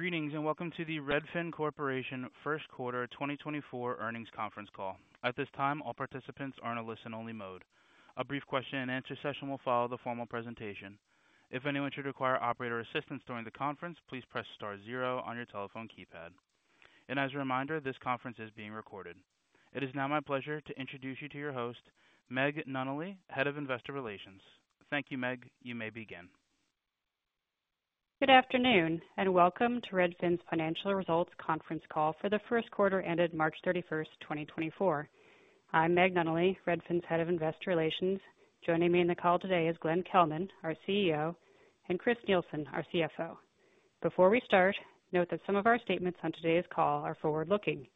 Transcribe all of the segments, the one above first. Greetings and welcome to the Redfin Corporation First Quarter 2024 Earnings Conference Call. At this time, all participants are in a listen-only mode. A brief question-and-answer session will follow the formal presentation. If anyone should require operator assistance during the conference, please press star zero on your telephone keypad. As a reminder, this conference is being recorded. It is now my pleasure to introduce you to your host, Meg Nunnally, head of investor relations. Thank you, Meg. You may begin. Good afternoon and welcome to Redfin's Financial Results Conference Call for the first quarter ended March 31st, 2024. I'm Meg Nunnally, Redfin's head of investor relations. Joining me in the call today is Glenn Kelman, our CEO, and Chris Nielsen, our CFO. Before we start, note that some of our statements on today's call are forward-looking.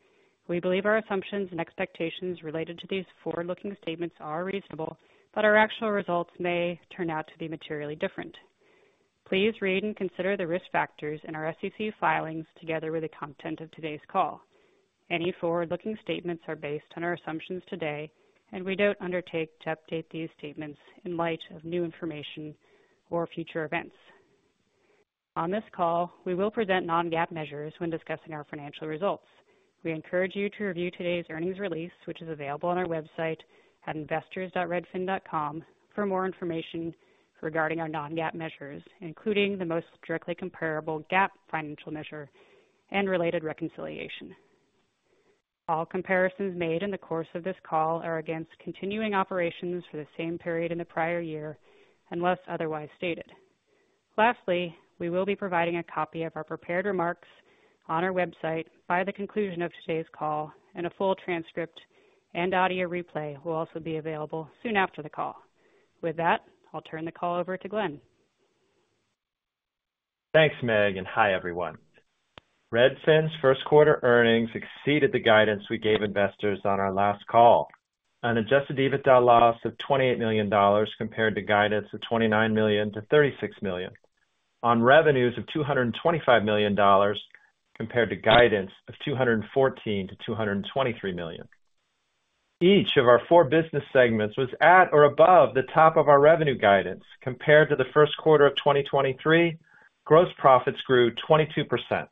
We believe our assumptions and expectations related to these forward-looking statements are reasonable, but our actual results may turn out to be materially different. Please read and consider the risk factors in our SEC filings together with the content of today's call. Any forward-looking statements are based on our assumptions today, and we don't undertake to update these statements in light of new information or future events. On this call, we will present non-GAAP measures when discussing our financial results. We encourage you to review today's earnings release, which is available on our website at investors.redfin.com, for more information regarding our non-GAAP measures, including the most directly comparable GAAP financial measure and related reconciliation. All comparisons made in the course of this call are against continuing operations for the same period in the prior year unless otherwise stated. Lastly, we will be providing a copy of our prepared remarks on our website by the conclusion of today's call, and a full transcript and audio replay will also be available soon after the call. With that, I'll turn the call over to Glenn. Thanks, Meg, and hi, everyone. Redfin's first quarter earnings exceeded the guidance we gave investors on our last call, an Adjusted EBITDA loss of $28 million compared to guidance of $29 million-$36 million, on revenues of $225 million compared to guidance of $214 million-$223 million. Each of our four business segments was at or above the top of our revenue guidance. Compared to the first quarter of 2023, gross profits grew 22%.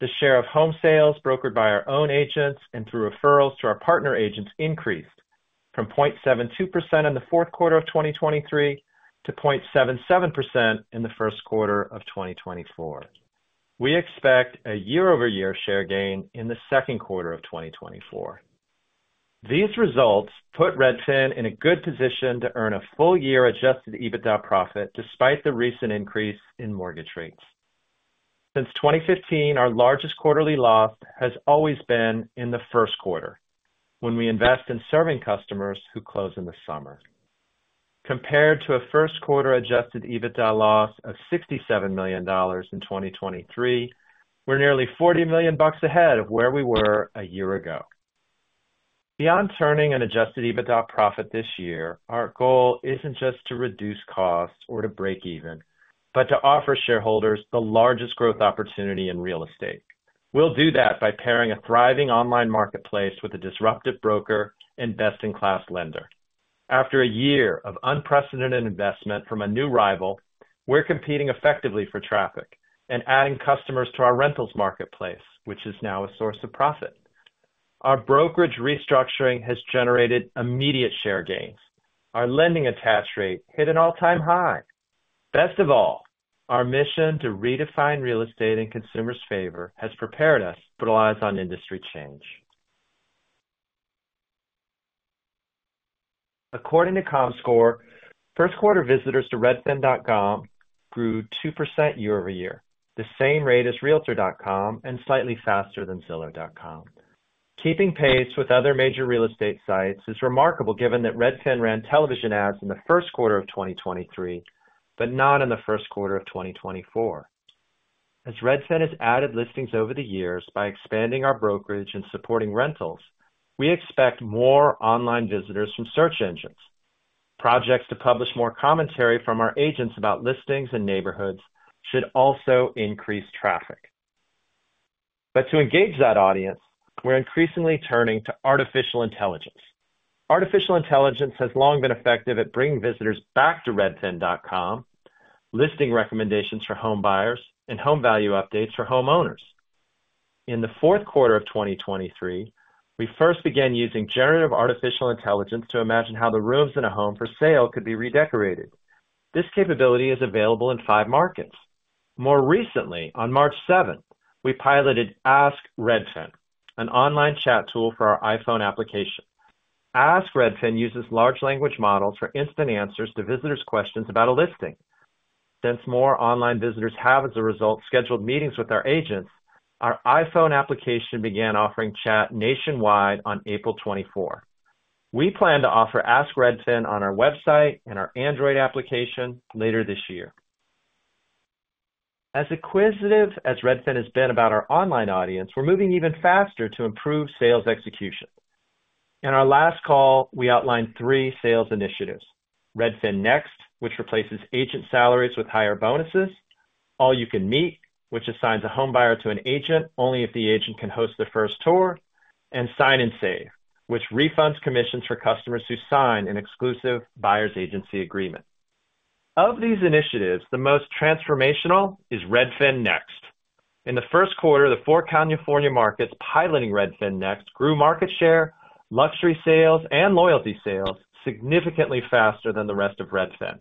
The share of home sales brokered by our own agents and through referrals to our partner agents increased from 0.72% in the fourth quarter of 2023 to 0.77% in the first quarter of 2024. We expect a year-over-year share gain in the second quarter of 2024. These results put Redfin in a good position to earn a full-year Adjusted EBITDA profit despite the recent increase in mortgage rates. Since 2015, our largest quarterly loss has always been in the first quarter, when we invest in serving customers who close in the summer. Compared to a first-quarter adjusted EBITDA loss of $67 million in 2023, we're nearly $40 million ahead of where we were a year ago. Beyond turning an adjusted EBITDA profit this year, our goal isn't just to reduce costs or to break even, but to offer shareholders the largest growth opportunity in real estate. We'll do that by pairing a thriving online marketplace with a disruptive broker and best-in-class lender. After a year of unprecedented investment from a new rival, we're competing effectively for traffic and adding customers to our rentals marketplace, which is now a source of profit. Our brokerage restructuring has generated immediate share gains. Our lending attach rate hit an all-time high. Best of all, our mission to redefine real estate in consumers' favor has prepared us. Relies on industry change. According to Comscore, first-quarter visitors to redfin.com grew 2% year-over-year, the same rate as realtor.com and slightly faster than zillow.com. Keeping pace with other major real estate sites is remarkable given that Redfin ran television ads in the first quarter of 2023 but not in the first quarter of 2024. As Redfin has added listings over the years by expanding our brokerage and supporting rentals, we expect more online visitors from search engines. Projects to publish more commentary from our agents about listings and neighborhoods should also increase traffic. But to engage that audience, we're increasingly turning to artificial intelligence. Artificial intelligence has long been effective at bringing visitors back to redfin.com, listing recommendations for home buyers, and home value updates for homeowners. In the fourth quarter of 2023, we first began using generative artificial intelligence to imagine how the rooms in a home for sale could be redecorated. This capability is available in five markets. More recently, on March 7th, we piloted Ask Redfin, an online chat tool for our iPhone application. Ask Redfin uses large language models for instant answers to visitors' questions about a listing. Since more online visitors have, as a result, scheduled meetings with our agents, our iPhone application began offering chat nationwide on April 24th. We plan to offer Ask Redfin on our website and our Android application later this year. As inquisitive as Redfin has been about our online audience, we're moving even faster to improve sales execution. In our last call, we outlined three sales initiatives: Redfin Next, which replaces agent salaries with higher bonuses; All-You-Can-Meet, which assigns a home buyer to an agent only if the agent can host the first tour; and Sign & Save, which refunds commissions for customers who sign an exclusive buyer's agency agreement. Of these initiatives, the most transformational is Redfin Next. In the first quarter, the four California markets piloting Redfin Next grew market share, luxury sales, and loyalty sales significantly faster than the rest of Redfin.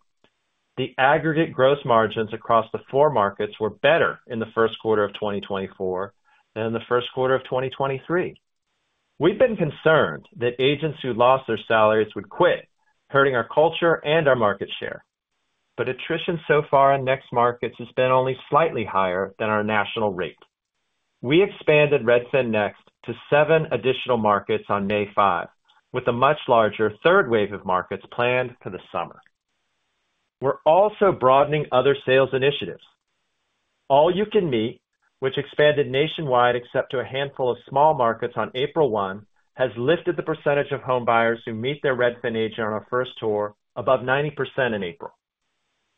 The aggregate gross margins across the four markets were better in the first quarter of 2024 than in the first quarter of 2023. We've been concerned that agents who lost their salaries would quit, hurting our culture and our market share. But attrition so far in Next markets has been only slightly higher than our national rate. We expanded Redfin Next to seven additional markets on May 5th, with a much larger third wave of markets planned for the summer. We're also broadening other sales initiatives. All-You-Can-Meet, which expanded nationwide except to a handful of small markets on April 1, has lifted the percentage of home buyers who meet their Redfin agent on a first tour above 90% in April.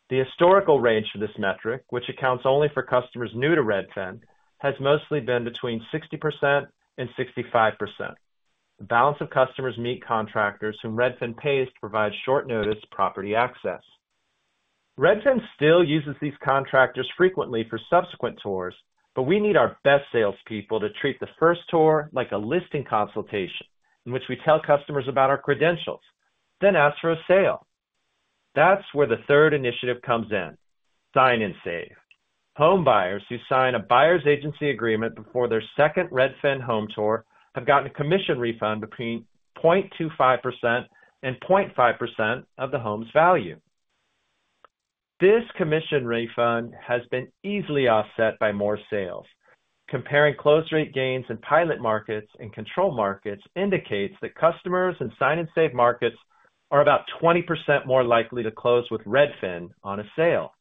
The historical range for this metric, which accounts only for customers new to Redfin, has mostly been between 60% and 65%. The balance of customers meet contractors whom Redfin pays to provide short-notice property access. Redfin still uses these contractors frequently for subsequent tours, but we need our best salespeople to treat the first tour like a listing consultation, in which we tell customers about our credentials, then ask for a sale. That's where the third initiative comes in: Sign & Save. Home buyers who sign a buyer's agency agreement before their second Redfin home tour have gotten a commission refund between 0.25%-0.5% of the home's value. This commission refund has been easily offset by more sales. Comparing close rate gains in pilot markets and control markets indicates that customers in Sign & Save markets are about 20% more likely to close with Redfin on a sale.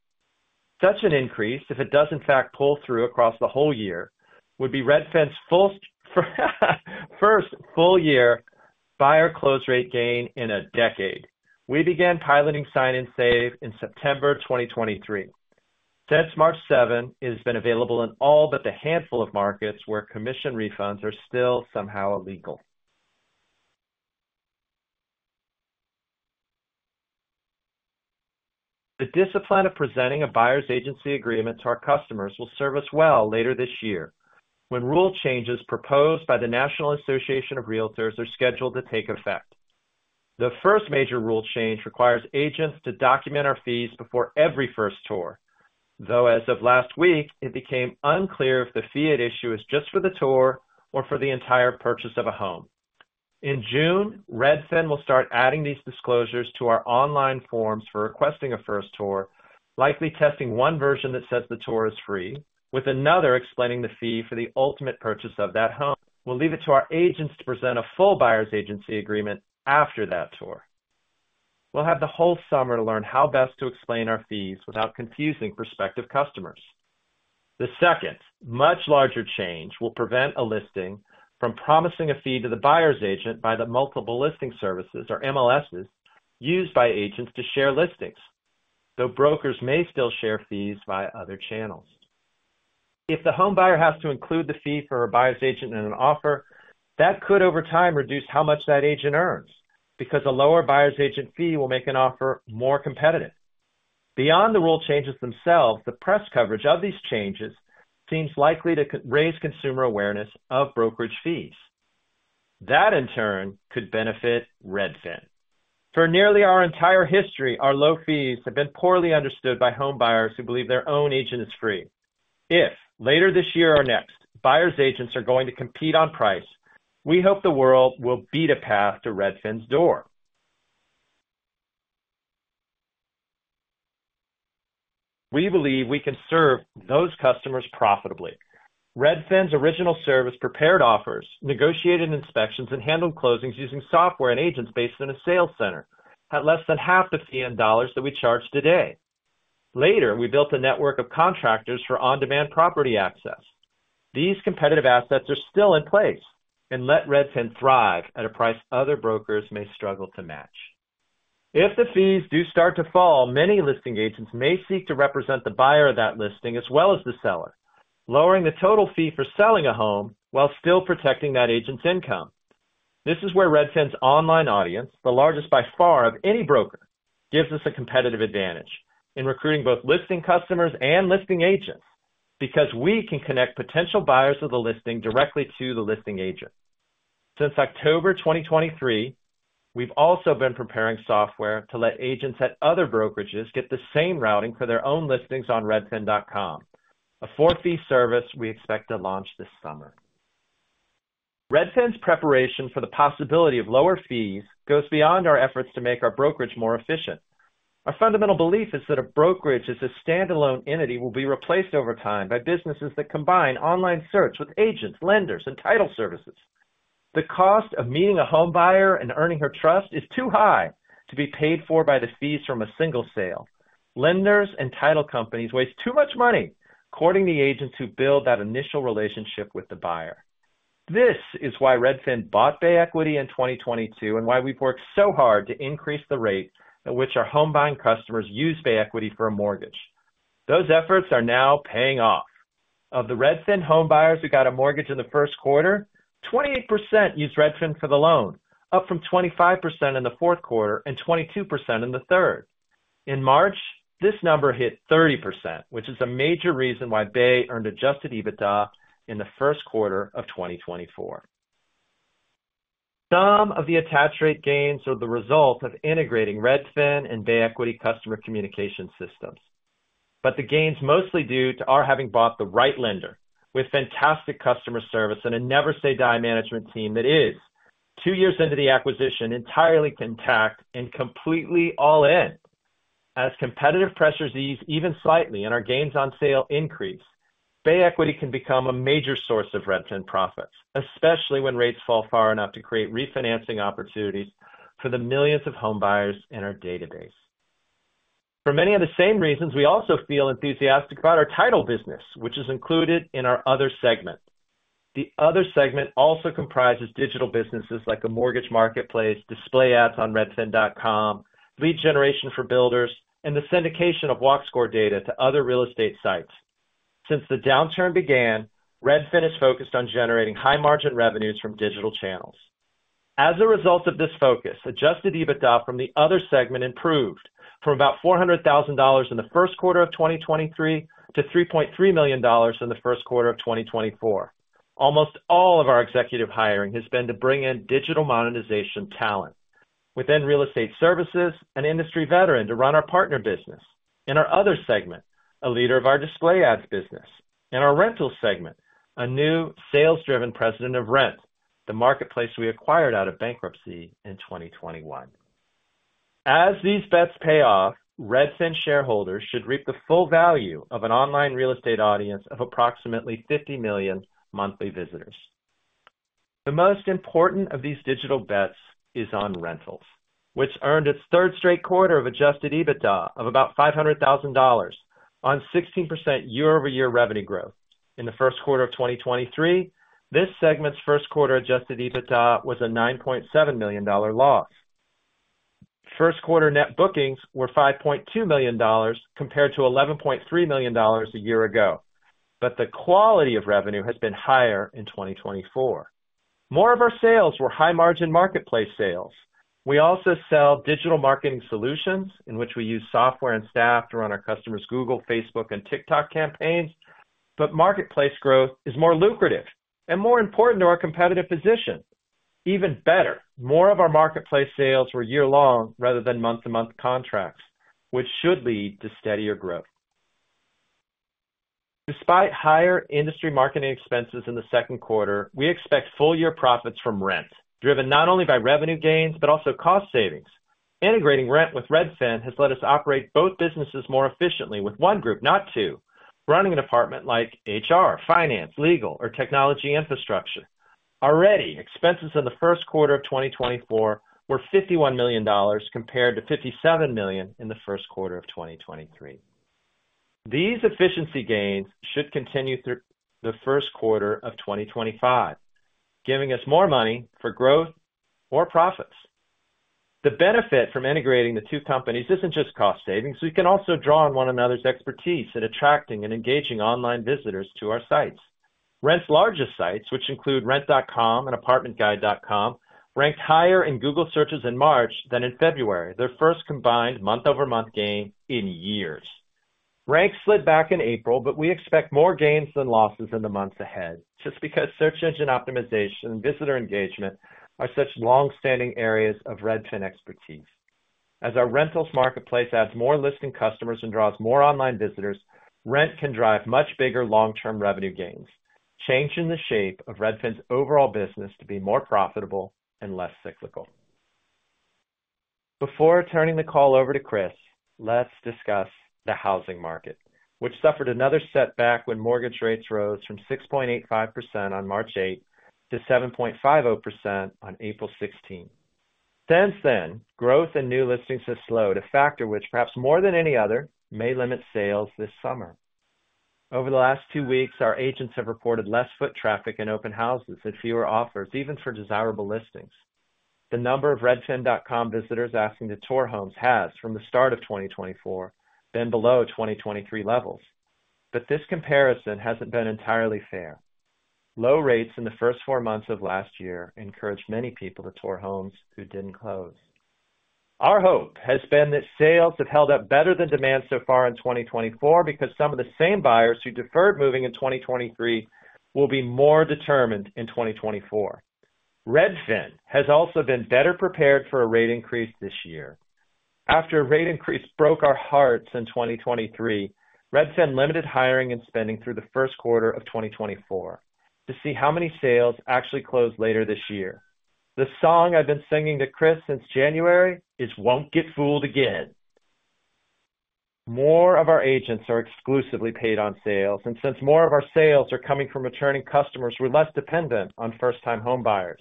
Such an increase, if it does in fact pull through across the whole year, would be Redfin's first full-year buyer close rate gain in a decade. We began piloting Sign & Save in September 2023. Since March 7th, it has been available in all but the handful of markets where commission refunds are still somehow illegal. The discipline of presenting a buyer's agency agreement to our customers will serve us well later this year when rule changes proposed by the National Association of Realtors are scheduled to take effect. The first major rule change requires agents to document our fees before every first tour, though as of last week, it became unclear if the fee at issue is just for the tour or for the entire purchase of a home. In June, Redfin will start adding these disclosures to our online forms for requesting a first tour, likely testing one version that says the tour is free, with another explaining the fee for the ultimate purchase of that home. We'll leave it to our agents to present a full buyer's agency agreement after that tour. We'll have the whole summer to learn how best to explain our fees without confusing prospective customers. The second, much larger change will prevent a listing from promising a fee to the buyer's agent by the multiple listing services or MLSs used by agents to share listings, though brokers may still share fees via other channels. If the home buyer has to include the fee for her buyer's agent in an offer, that could over time reduce how much that agent earns because a lower buyer's agent fee will make an offer more competitive. Beyond the rule changes themselves, the press coverage of these changes seems likely to raise consumer awareness of brokerage fees. That, in turn, could benefit Redfin. For nearly our entire history, our low fees have been poorly understood by home buyers who believe their own agent is free. If later this year or next, buyer's agents are going to compete on price, we hope the world will beat a path to Redfin's door. We believe we can serve those customers profitably. Redfin's original service prepared offers, negotiated inspections, and handled closings using software and agents based in a sales center at less than half the fee in dollars that we charge today. Later, we built a network of contractors for on-demand property access. These competitive assets are still in place and let Redfin thrive at a price other brokers may struggle to match. If the fees do start to fall, many listing agents may seek to represent the buyer of that listing as well as the seller, lowering the total fee for selling a home while still protecting that agent's income. This is where Redfin's online audience, the largest by far of any broker, gives us a competitive advantage in recruiting both listing customers and listing agents because we can connect potential buyers of the listing directly to the listing agent. Since October 2023, we've also been preparing software to let agents at other brokerages get the same routing for their own listings on redfin.com, a for-fee service we expect to launch this summer. Redfin's preparation for the possibility of lower fees goes beyond our efforts to make our brokerage more efficient. Our fundamental belief is that a brokerage as a standalone entity will be replaced over time by businesses that combine online search with agents, lenders, and title services. The cost of meeting a home buyer and earning her trust is too high to be paid for by the fees from a single sale. Lenders and title companies waste too much money, courting the agents who build that initial relationship with the buyer. This is why Redfin bought Bay Equity in 2022 and why we've worked so hard to increase the rate at which our home-buying customers use Bay Equity for a mortgage. Those efforts are now paying off. Of the Redfin home buyers who got a mortgage in the first quarter, 28% used Redfin for the loan, up from 25% in the fourth quarter and 22% in the third. In March, this number hit 30%, which is a major reason why Bay earned Adjusted EBITDA in the first quarter of 2024. Some of the attach rate gains are the result of integrating Redfin and Bay Equity customer communication systems. But the gains mostly due to our having bought the right lender, with fantastic customer service and a never-say-die management team that is, two years into the acquisition, entirely intact and completely all in. As competitive pressures ease even slightly and our gains on sale increase, Bay Equity can become a major source of Redfin profits, especially when rates fall far enough to create refinancing opportunities for the millions of home buyers in our database. For many of the same reasons, we also feel enthusiastic about our title business, which is included in our other segment. The other segment also comprises digital businesses like a mortgage marketplace, display ads on redfin.com, lead generation for builders, and the syndication of Walk Score data to other real estate sites. Since the downturn began, Redfin has focused on generating high-margin revenues from digital channels. As a result of this focus, Adjusted EBITDA from the other segment improved from about $400,000 in the first quarter of 2023 to $3.3 million in the first quarter of 2024. Almost all of our executive hiring has been to bring in digital monetization talent, within real estate services, an industry veteran to run our partner business, in our other segment, a leader of our display ads business, in our rentals segment, a new sales-driven president of Rent, the marketplace we acquired out of bankruptcy in 2021. As these bets pay off, Redfin shareholders should reap the full value of an online real estate audience of approximately 50 million monthly visitors. The most important of these digital bets is on rentals, which earned its third straight quarter of Adjusted EBITDA of about $500,000 on 16% year-over-year revenue growth. In the first quarter of 2023, this segment's first quarter Adjusted EBITDA was a $9.7 million loss. First quarter net bookings were $5.2 million compared to $11.3 million a year ago, but the quality of revenue has been higher in 2024. More of our sales were high-margin marketplace sales. We also sell digital marketing solutions in which we use software and staff to run our customers' Google, Facebook, and TikTok campaigns. But marketplace growth is more lucrative and more important to our competitive position. Even better, more of our marketplace sales were year-long rather than month-to-month contracts, which should lead to steadier growth. Despite higher industry marketing expenses in the second quarter, we expect full-year profits from Rent, driven not only by revenue gains but also cost savings. Integrating Rent with Redfin has let us operate both businesses more efficiently with one group, not two, running departments like HR, finance, legal, or technology infrastructure. Already, expenses in the first quarter of 2024 were $51 million compared to $57 million in the first quarter of 2023. These efficiency gains should continue through the first quarter of 2025, giving us more money for growth or profits. The benefit from integrating the two companies isn't just cost savings. We can also draw on one another's expertise in attracting and engaging online visitors to our sites. Rent's largest sites, which include rent.com and apartmentguide.com, ranked higher in Google searches in March than in February, their first combined month-over-month gain in years. Rank slid back in April, but we expect more gains than losses in the months ahead just because search engine optimization and visitor engagement are such longstanding areas of Redfin expertise. As our rentals marketplace adds more listing customers and draws more online visitors, Rent can drive much bigger long-term revenue gains, changing the shape of Redfin's overall business to be more profitable and less cyclical. Before turning the call over to Chris, let's discuss the housing market, which suffered another setback when mortgage rates rose from 6.85% on March 8th to 7.50% on April 16th. Since then, growth and new listings have slowed, a factor which, perhaps more than any other, may limit sales this summer. Over the last two weeks, our agents have reported less foot traffic in open houses and fewer offers, even for desirable listings. The number of redfin.com visitors asking to tour homes has from the start of 2024 been below 2023 levels. But this comparison hasn't been entirely fair. Low rates in the first four months of last year encouraged many people to tour homes who didn't close. Our hope has been that sales have held up better than demand so far in 2024 because some of the same buyers who deferred moving in 2023 will be more determined in 2024. Redfin has also been better prepared for a rate increase this year. After a rate increase broke our hearts in 2023, Redfin limited hiring and spending through the first quarter of 2024 to see how many sales actually close later this year. The song I've been singing to Chris since January is "Won't Get Fooled Again." More of our agents are exclusively paid on sales, and since more of our sales are coming from returning customers, we're less dependent on first-time home buyers.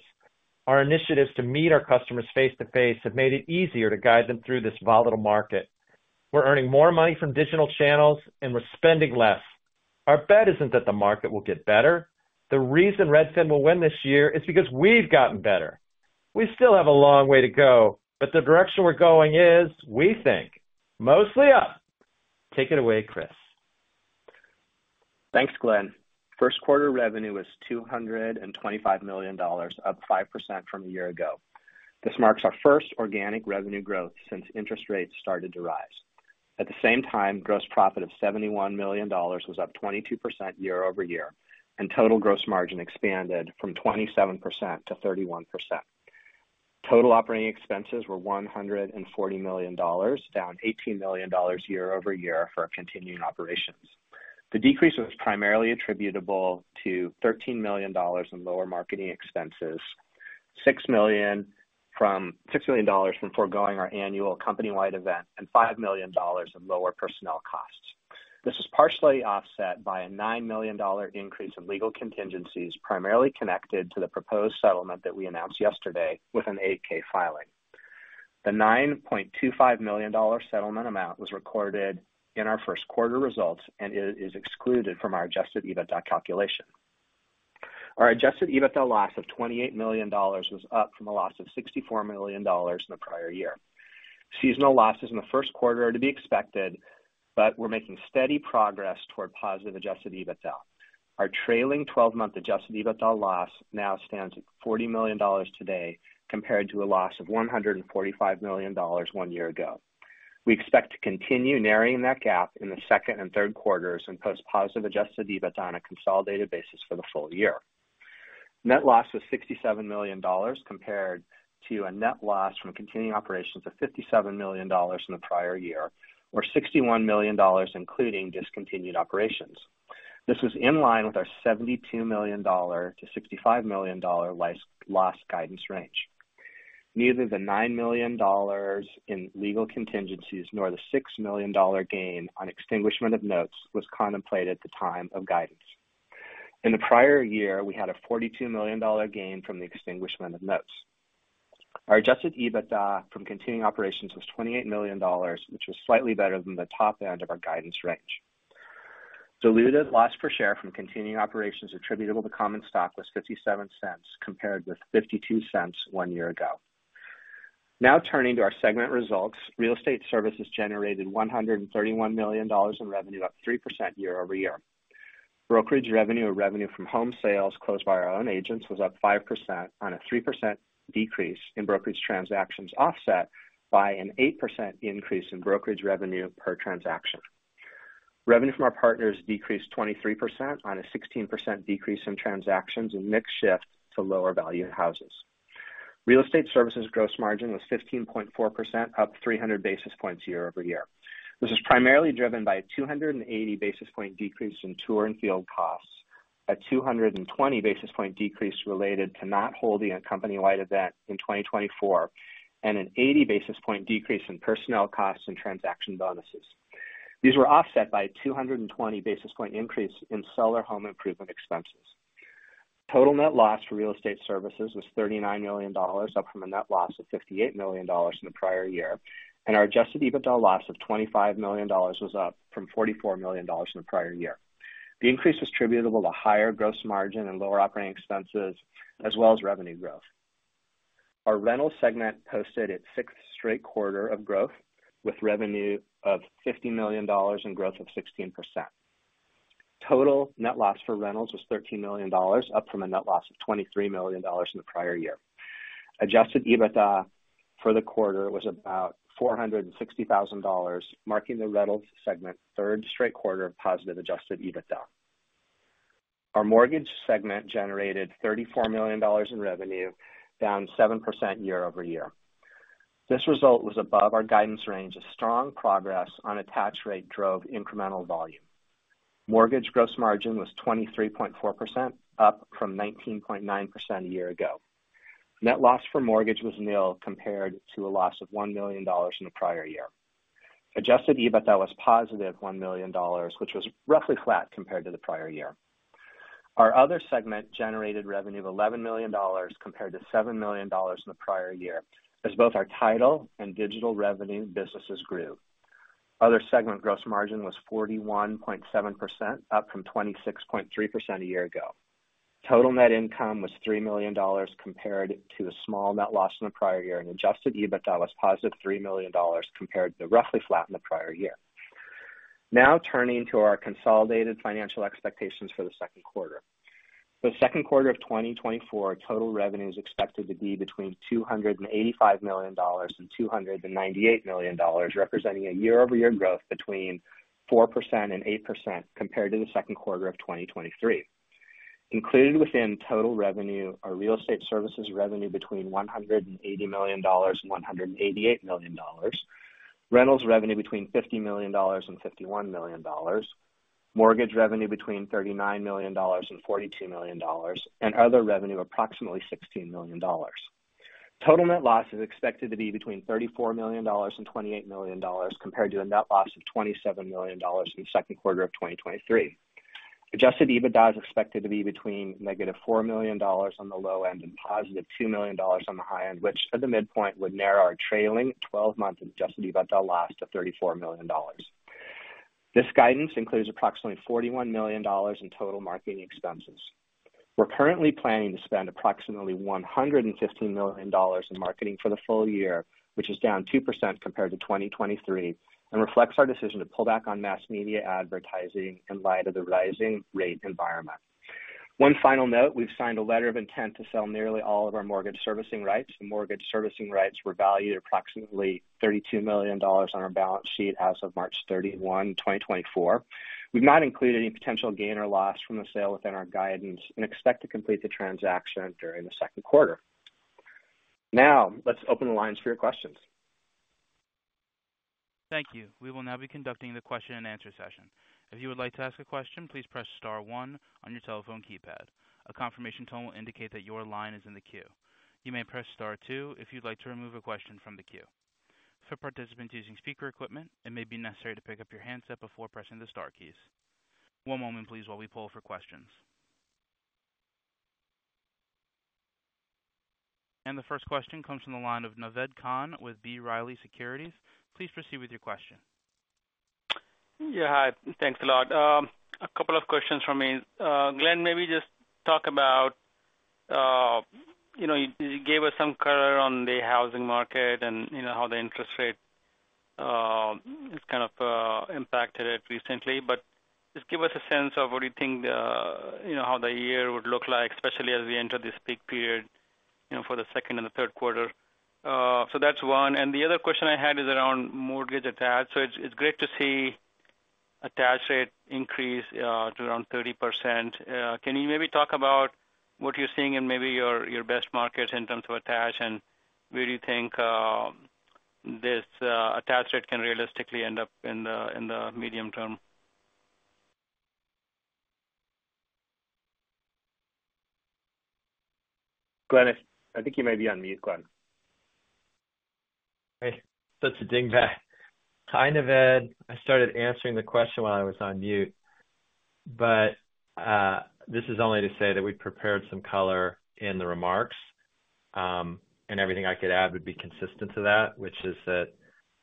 Our initiatives to meet our customers face-to-face have made it easier to guide them through this volatile market. We're earning more money from digital channels, and we're spending less. Our bet isn't that the market will get better. The reason Redfin will win this year is because we've gotten better. We still have a long way to go, but the direction we're going is, we think, mostly up. Take it away, Chris. Thanks, Glenn. First quarter revenue was $225 million, up 5% from a year ago. This marks our first organic revenue growth since interest rates started to rise. At the same time, gross profit of $71 million was up 22% year-over-year, and total gross margin expanded from 27%-31%. Total operating expenses were $140 million, down $18 million year-over-year for continuing operations. The decrease was primarily attributable to $13 million in lower marketing expenses, $6 million from foregoing our annual company-wide event, and $5 million in lower personnel costs. This was partially offset by a $9 million increase in legal contingencies primarily connected to the proposed settlement that we announced yesterday with an 8-K filing. The $9.25 million settlement amount was recorded in our first quarter results and is excluded from our adjusted EBITDA calculation. Our adjusted EBITDA loss of $28 million was up from a loss of $64 million in the prior year. Seasonal losses in the first quarter are to be expected, but we're making steady progress toward positive adjusted EBITDA. Our trailing 12-month adjusted EBITDA loss now stands at $40 million today compared to a loss of $145 million one year ago. We expect to continue narrowing that gap in the second and third quarters and post-positive adjusted EBITDA on a consolidated basis for the full year. Net loss was $67 million compared to a net loss from continuing operations of $57 million in the prior year, or $61 million including discontinued operations. This was in line with our $72 million to $65 million loss guidance range. Neither the $9 million in legal contingencies nor the $6 million gain on extinguishment of notes was contemplated at the time of guidance. In the prior year, we had a $42 million gain from the extinguishment of notes. Our Adjusted EBITDA from continuing operations was $28 million, which was slightly better than the top end of our guidance range. Diluted loss per share from continuing operations attributable to common stock was $0.57 compared with $0.52 one year ago. Now turning to our segment results, real estate services generated $131 million in revenue, up 3% year-over-year. Brokerage revenue or revenue from home sales closed by our own agents was up 5% on a 3% decrease in brokerage transactions offset by an 8% increase in brokerage revenue per transaction. Revenue from our partners decreased 23% on a 16% decrease in transactions and mixed shift to lower-value houses. Real estate services gross margin was 15.4%, up 300 basis points year-over-year. This was primarily driven by a 280 basis point decrease in tour and field costs, a 220 basis point decrease related to not holding a company-wide event in 2024, and an 80 basis point decrease in personnel costs and transaction bonuses. These were offset by a 220 basis point increase in seller home improvement expenses. Total net loss for real estate services was $39 million, up from a net loss of $58 million in the prior year, and our adjusted EBITDA loss of $25 million was up from $44 million in the prior year. The increase was attributable to higher gross margin and lower operating expenses, as well as revenue growth. Our rentals segment posted its sixth straight quarter of growth with revenue of $50 million and growth of 16%. Total net loss for rentals was $13 million, up from a net loss of $23 million in the prior year. Adjusted EBITDA for the quarter was about $460,000, marking the rentals segment third straight quarter of positive adjusted EBITDA. Our mortgage segment generated $34 million in revenue, down 7% year-over-year. This result was above our guidance range as strong progress on attach rate drove incremental volume. Mortgage gross margin was 23.4%, up from 19.9% a year ago. Net loss for mortgage was nil compared to a loss of $1 million in the prior year. Adjusted EBITDA was positive $1 million, which was roughly flat compared to the prior year. Our other segment generated revenue of $11 million compared to $7 million in the prior year as both our title and digital revenue businesses grew. Other segment gross margin was 41.7%, up from 26.3% a year ago. Total net income was $3 million compared to a small net loss in the prior year, and adjusted EBITDA was positive $3 million compared to roughly flat in the prior year. Now turning to our consolidated financial expectations for the second quarter. For the second quarter of 2024, total revenue is expected to be between $285 million and $298 million, representing a year-over-year growth between 4% and 8% compared to the second quarter of 2023. Included within total revenue are real estate services revenue between $180 million and $188 million, rentals revenue between $50 million and $51 million, mortgage revenue between $39 million and $42 million, and other revenue approximately $16 million. Total net loss is expected to be between $34 million and $28 million compared to a net loss of $27 million in the second quarter of 2023. Adjusted EBITDA is expected to be between negative $4 million on the low end and positive $2 million on the high end, which at the midpoint would narrow our trailing 12-month adjusted EBITDA loss to $34 million. This guidance includes approximately $41 million in total marketing expenses. We're currently planning to spend approximately $115 million in marketing for the full year, which is down 2% compared to 2023, and reflects our decision to pull back on mass media advertising in light of the rising rate environment. One final note, we've signed a letter of intent to sell nearly all of our mortgage servicing rights. The mortgage servicing rights were valued at approximately $32 million on our balance sheet as of March 31, 2024. We've not included any potential gain or loss from the sale within our guidance and expect to complete the transaction during the second quarter. Now, let's open the lines for your questions. Thank you. We will now be conducting the question-and-answer session. If you would like to ask a question, please press star one on your telephone keypad. A confirmation tone will indicate that your line is in the queue. You may press star two if you'd like to remove a question from the queue. For participants using speaker equipment, it may be necessary to pick up your handset before pressing the star keys. One moment, please, while we pull for questions. And the first question comes from the line of Naved Khan with B. Riley Securities. Please proceed with your question. Yeah, hi. Thanks a lot. A couple of questions from me. Glenn, maybe just talk about, you know, you gave us some color on the housing market and, you know, how the interest rate has kind of impacted it recently. But just give us a sense of what do you think the, you know, how the year would look like, especially as we enter this peak period, you know, for the second and the third quarter. So that's one. And the other question I had is around mortgage attach. So it's great to see attach rate increase to around 30%. Can you maybe talk about what you're seeing in maybe your best markets in terms of attach and where do you think this attach rate can realistically end up in the medium term? Glenn, I think you may be on mute, Glenn. Hey. Putting audio back. Hi, Naved. I started answering the question while I was on mute. But, this is only to say that we prepared some color in the remarks. And everything I could add would be consistent to that, which is that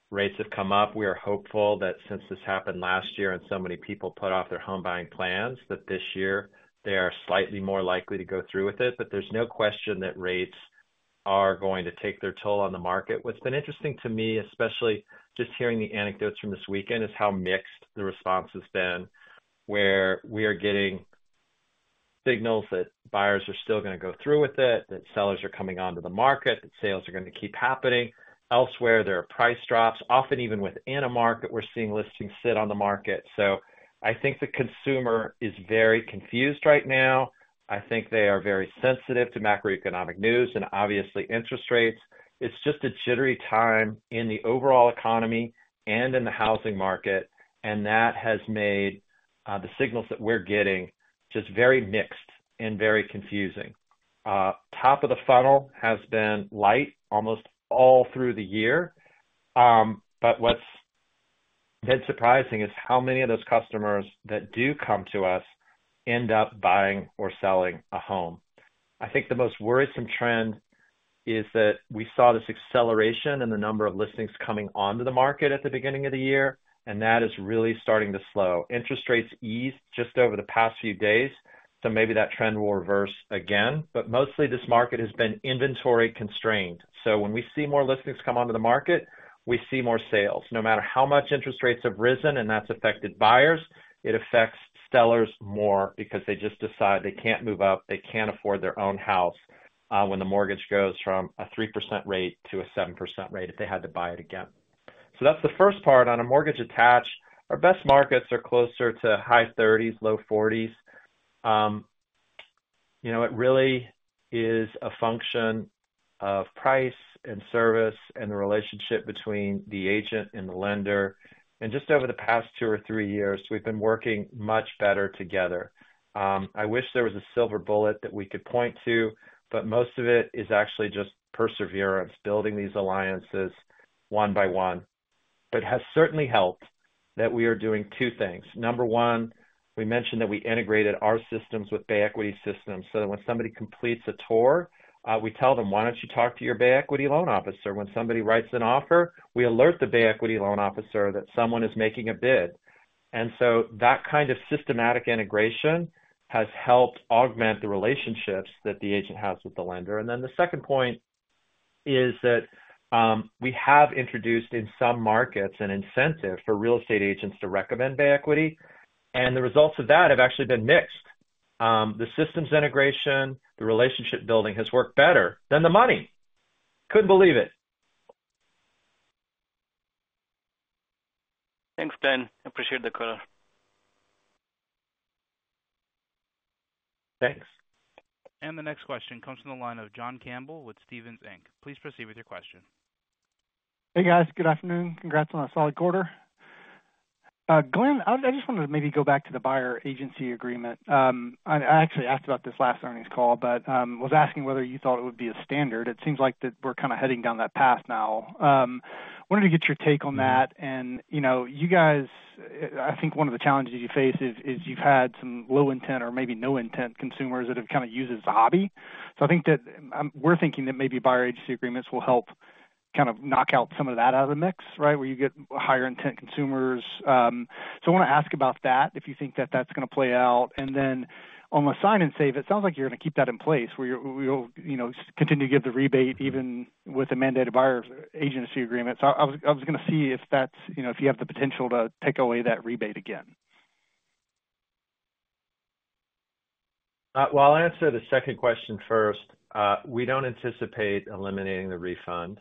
rates have come up. We are hopeful that since this happened last year and so many people put off their home buying plans, that this year they are slightly more likely to go through with it. But there's no question that rates are going to take their toll on the market. What's been interesting to me, especially just hearing the anecdotes from this weekend, is how mixed the response has been, where we are getting signals that buyers are still going to go through with it, that sellers are coming onto the market, that sales are going to keep happening. Elsewhere, there are price drops, often even within a market. We're seeing listings sit on the market. So I think the consumer is very confused right now. I think they are very sensitive to macroeconomic news and obviously interest rates. It's just a jittery time in the overall economy and in the housing market, and that has made the signals that we're getting just very mixed and very confusing. Top of the funnel has been light almost all through the year. But what's been surprising is how many of those customers that do come to us end up buying or selling a home. I think the most worrisome trend is that we saw this acceleration in the number of listings coming onto the market at the beginning of the year, and that is really starting to slow. Interest rates eased just over the past few days, so maybe that trend will reverse again. But mostly, this market has been inventory constrained. So when we see more listings come onto the market, we see more sales. No matter how much interest rates have risen and that's affected buyers, it affects sellers more because they just decide they can't move up, they can't afford their own house, when the mortgage goes from a 3% rate to a 7% rate if they had to buy it again. So that's the first part. On a mortgage attached, our best markets are closer to high 30s, low 40s. You know, it really is a function of price and service and the relationship between the agent and the lender. And just over the past two or three years, we've been working much better together. I wish there was a silver bullet that we could point to, but most of it is actually just perseverance, building these alliances one by one. But it has certainly helped that we are doing two things. Number one, we mentioned that we integrated our systems with Bay Equity's systems so that when somebody completes a tour, we tell them, "Why don't you talk to your Bay Equity loan officer?" When somebody writes an offer, we alert the Bay Equity loan officer that someone is making a bid. And so that kind of systematic integration has helped augment the relationships that the agent has with the lender. And then the second point is that, we have introduced in some markets an incentive for real estate agents to recommend Bay Equity. And the results of that have actually been mixed. The systems integration, the relationship building has worked better than the money. Couldn't believe it. Thanks, Glenn. Appreciate the color. Thanks. The next question comes from the line of John Campbell with Stephens Inc. Please proceed with your question. Hey, guys. Good afternoon. Congrats on a solid quarter. Glenn, I just wanted to maybe go back to the buyer agency agreement. I actually asked about this last earnings call, but was asking whether you thought it would be a standard. It seems like that we're kind of heading down that path now. Wanted to get your take on that. You know, you guys, I think one of the challenges you face is you've had some low intent or maybe no intent consumers that have kind of used it as a hobby. So I think that we're thinking that maybe buyer agency agreements will help kind of knock out some of that out of the mix, right, where you get higher intent consumers. I want to ask about that, if you think that that's going to play out. Then on the Sign & Save, it sounds like you're going to keep that in place, where you'll, you know, continue to give the rebate even with a mandated buyer agency agreement. So I was going to see if that's, you know, if you have the potential to take away that rebate again? Well, I'll answer the second question first. We don't anticipate eliminating the refund,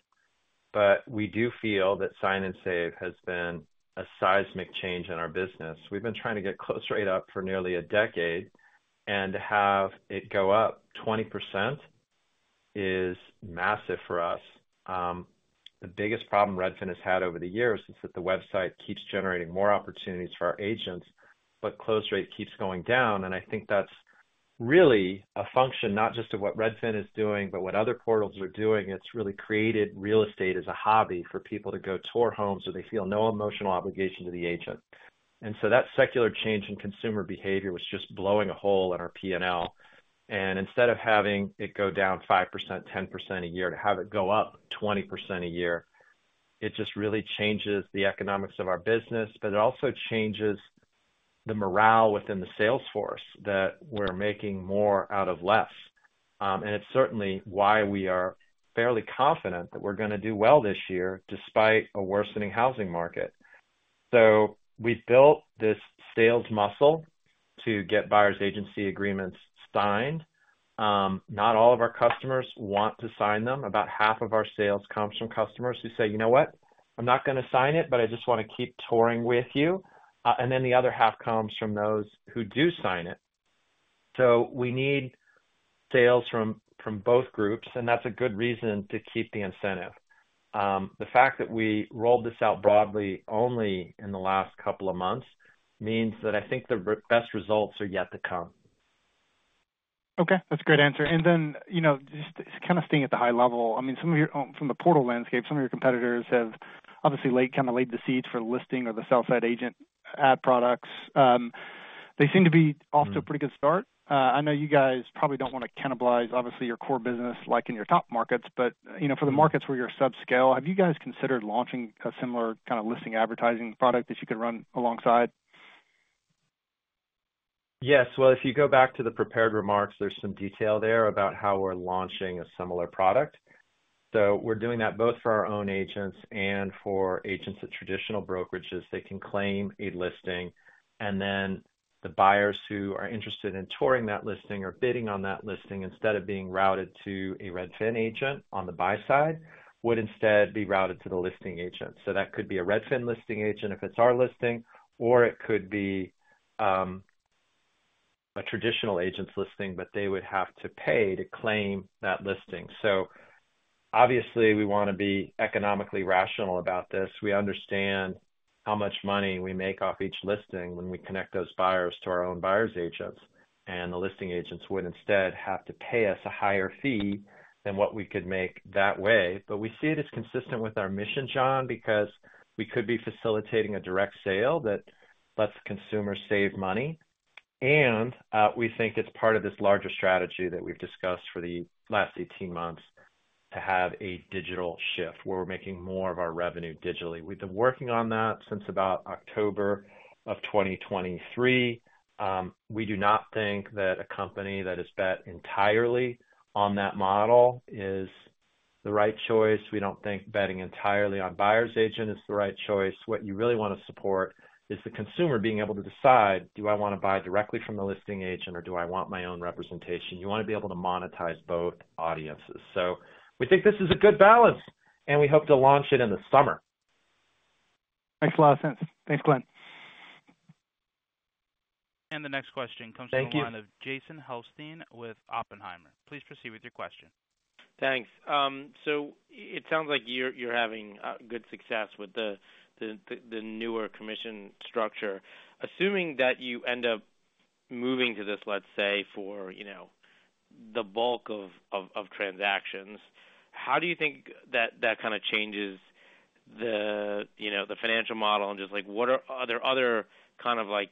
but we do feel that Sign & Save has been a seismic change in our business. We've been trying to get close rate up for nearly a decade and to have it go up 20% is massive for us. The biggest problem Redfin has had over the years is that the website keeps generating more opportunities for our agents, but close rate keeps going down. And I think that's really a function not just of what Redfin is doing, but what other portals are doing. It's really created real estate as a hobby for people to go tour homes where they feel no emotional obligation to the agent. And so that secular change in consumer behavior was just blowing a hole in our P&L. Instead of having it go down 5%-10% a year, to have it go up 20% a year, it just really changes the economics of our business, but it also changes the morale within the sales force that we're making more out of less. And it's certainly why we are fairly confident that we're going to do well this year despite a worsening housing market. So we've built this sales muscle to get buyers' agency agreements signed. Not all of our customers want to sign them. About half of our sales comes from customers who say, "You know what? I'm not going to sign it, but I just want to keep touring with you." And then the other half comes from those who do sign it. So we need sales from both groups, and that's a good reason to keep the incentive. The fact that we rolled this out broadly only in the last couple of months means that I think the best results are yet to come. Okay. That's a great answer. Then, you know, just kind of staying at the high level, I mean, some from the portal landscape, some of your competitors have obviously kind of laid the seeds for listing or the sell-side agent ad products. They seem to be off to a pretty good start. I know you guys probably don't want to cannibalize, obviously, your core business like in your top markets, but, you know, for the markets where you're subscale, have you guys considered launching a similar kind of listing advertising product that you could run alongside? Yes. Well, if you go back to the prepared remarks, there's some detail there about how we're launching a similar product. So we're doing that both for our own agents and for agents at traditional brokerages. They can claim a listing, and then the buyers who are interested in touring that listing or bidding on that listing instead of being routed to a Redfin agent on the buy side would instead be routed to the listing agent. So that could be a Redfin listing agent if it's our listing, or it could be a traditional agent's listing, but they would have to pay to claim that listing. So obviously, we want to be economically rational about this. We understand how much money we make off each listing when we connect those buyers to our own buyers' agents. The listing agents would instead have to pay us a higher fee than what we could make that way. But we see it as consistent with our mission, John, because we could be facilitating a direct sale that lets consumers save money. And, we think it's part of this larger strategy that we've discussed for the last 18 months to have a digital shift where we're making more of our revenue digitally. We've been working on that since about October of 2023. We do not think that a company that has bet entirely on that model is the right choice. We don't think betting entirely on buyers' agents is the right choice. What you really want to support is the consumer being able to decide, "Do I want to buy directly from the listing agent, or do I want my own representation?" You want to be able to monetize both audiences. So we think this is a good balance, and we hope to launch it in the summer. Makes a lot of sense. Thanks, Glenn. The next question comes from the line of Jason Helfstein with Oppenheimer. Please proceed with your question. Thanks. So it sounds like you're having good success with the newer commission structure. Assuming that you end up moving to this, let's say, for, you know, the bulk of transactions, how do you think that kind of changes the, you know, the financial model and just, like, what are there other kind of, like,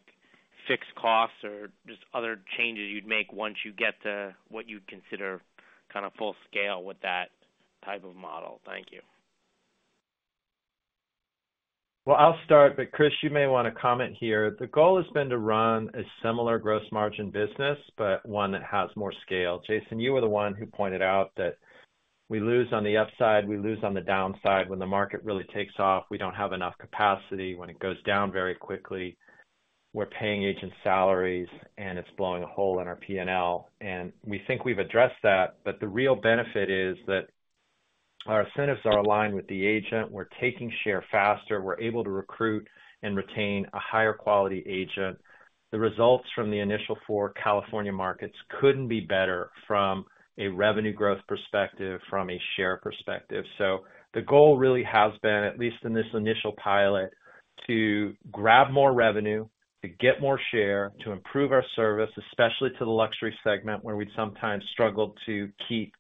fixed costs or just other changes you'd make once you get to what you'd consider kind of full scale with that type of model? Thank you. Well, I'll start, but Chris, you may want to comment here. The goal has been to run a similar gross margin business, but one that has more scale. Jason, you were the one who pointed out that we lose on the upside. We lose on the downside. When the market really takes off, we don't have enough capacity. When it goes down very quickly, we're paying agents salaries, and it's blowing a hole in our P&L. And we think we've addressed that, but the real benefit is that our incentives are aligned with the agent. We're taking share faster. We're able to recruit and retain a higher quality agent. The results from the initial four California markets couldn't be better from a revenue growth perspective, from a share perspective. So the goal really has been, at least in this initial pilot, to grab more revenue, to get more share, to improve our service, especially to the luxury segment where we'd sometimes struggled to keep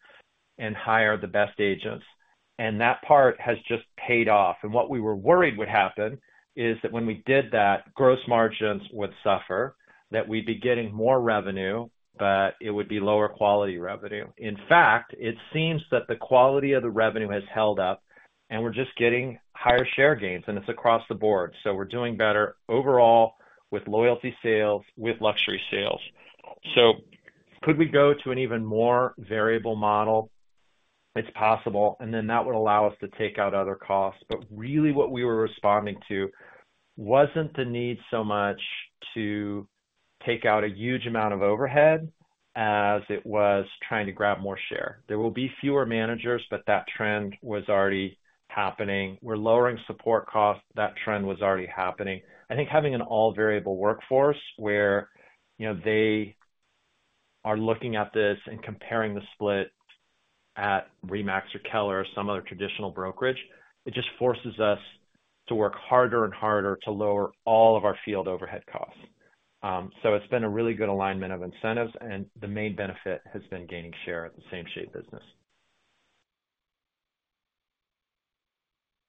and hire the best agents. And that part has just paid off. And what we were worried would happen is that when we did that, gross margins would suffer, that we'd be getting more revenue, but it would be lower quality revenue. In fact, it seems that the quality of the revenue has held up, and we're just getting higher share gains, and it's across the board. So we're doing better overall with loyalty sales, with luxury sales. So could we go to an even more variable model? It's possible, and then that would allow us to take out other costs. But really, what we were responding to wasn't the need so much to take out a huge amount of overhead as it was trying to grab more share. There will be fewer managers, but that trend was already happening. We're lowering support costs. That trend was already happening. I think having an all-variable workforce where, you know, they are looking at this and comparing the split at RE/MAX or Keller or some other traditional brokerage, it just forces us to work harder and harder to lower all of our field overhead costs. So it's been a really good alignment of incentives, and the main benefit has been gaining share at the same shape business.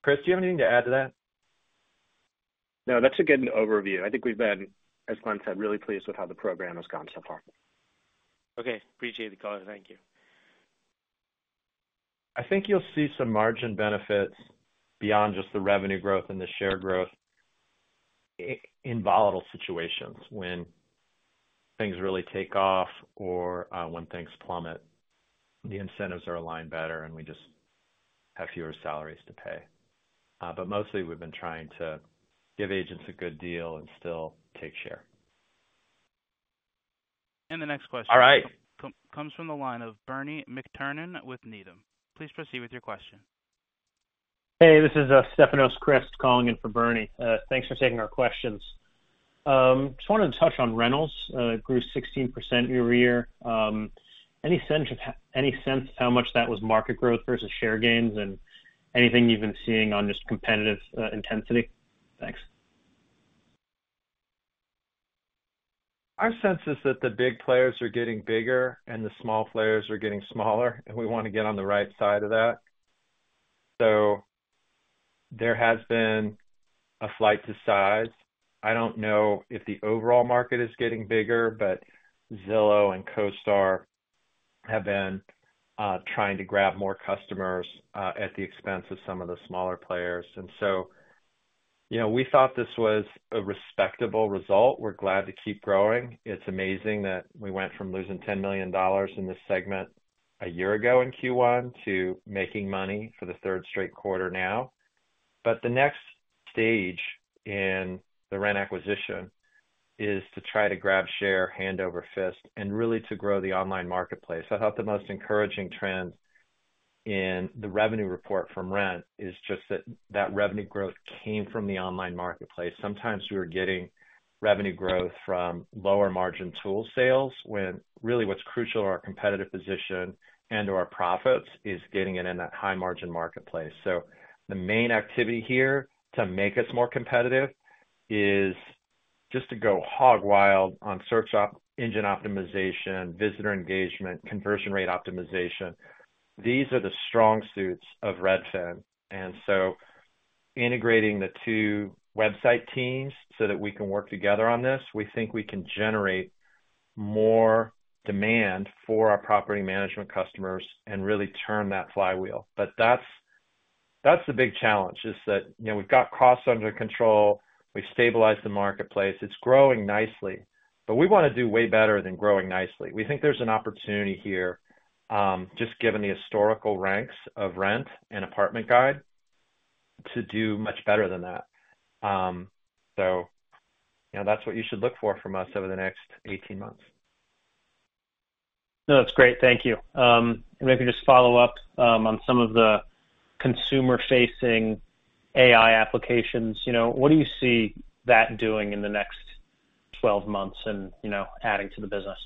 Chris, do you have anything to add to that? No, that's a good overview. I think we've been, as Glenn said, really pleased with how the program has gone so far. Okay. Appreciate the color. Thank you. I think you'll see some margin benefits beyond just the revenue growth and the share growth in volatile situations when things really take off or when things plummet. The incentives are aligned better, and we just have fewer salaries to pay. But mostly, we've been trying to give agents a good deal and still take share. The next question. All right. Comes from the line of Bernie McTernan with Needham. Please proceed with your question. Hey, this is Stefanos Crist calling in for Bernie. Thanks for taking our questions. I just wanted to touch on rentals. It grew 16% year-to-year. Any sense of how much that was market growth versus share gains and anything you've been seeing on just competitive intensity? Thanks. Our sense is that the big players are getting bigger and the small players are getting smaller, and we want to get on the right side of that. So there has been a flight to size. I don't know if the overall market is getting bigger, but Zillow and CoStar have been trying to grab more customers at the expense of some of the smaller players. And so, you know, we thought this was a respectable result. We're glad to keep growing. It's amazing that we went from losing $10 million in this segment a year ago in Q1 to making money for the third straight quarter now. But the next stage in the Rent Acquisition is to try to grab share, hand over fist, and really to grow the online marketplace. I thought the most encouraging trend in the revenue report from Rent is just that that revenue growth came from the online marketplace. Sometimes we were getting revenue growth from lower margin tool sales when really what's crucial to our competitive position and to our profits is getting it in that high margin marketplace. So the main activity here to make us more competitive is just to go hog wild on search engine optimization, visitor engagement, conversion rate optimization. These are the strong suits of Redfin. And so integrating the two website teams so that we can work together on this, we think we can generate more demand for our property management customers and really turn that flywheel. But that's the big challenge, is that, you know, we've got costs under control. We've stabilized the marketplace. It's growing nicely. But we want to do way better than growing nicely. We think there's an opportunity here, just given the historical ranks of Rent and Apartment Guide, to do much better than that. So, you know, that's what you should look for from us over the next 18 months. No, that's great. Thank you. And maybe just follow up on some of the consumer-facing AI applications. You know, what do you see that doing in the next 12 months and, you know, adding to the business?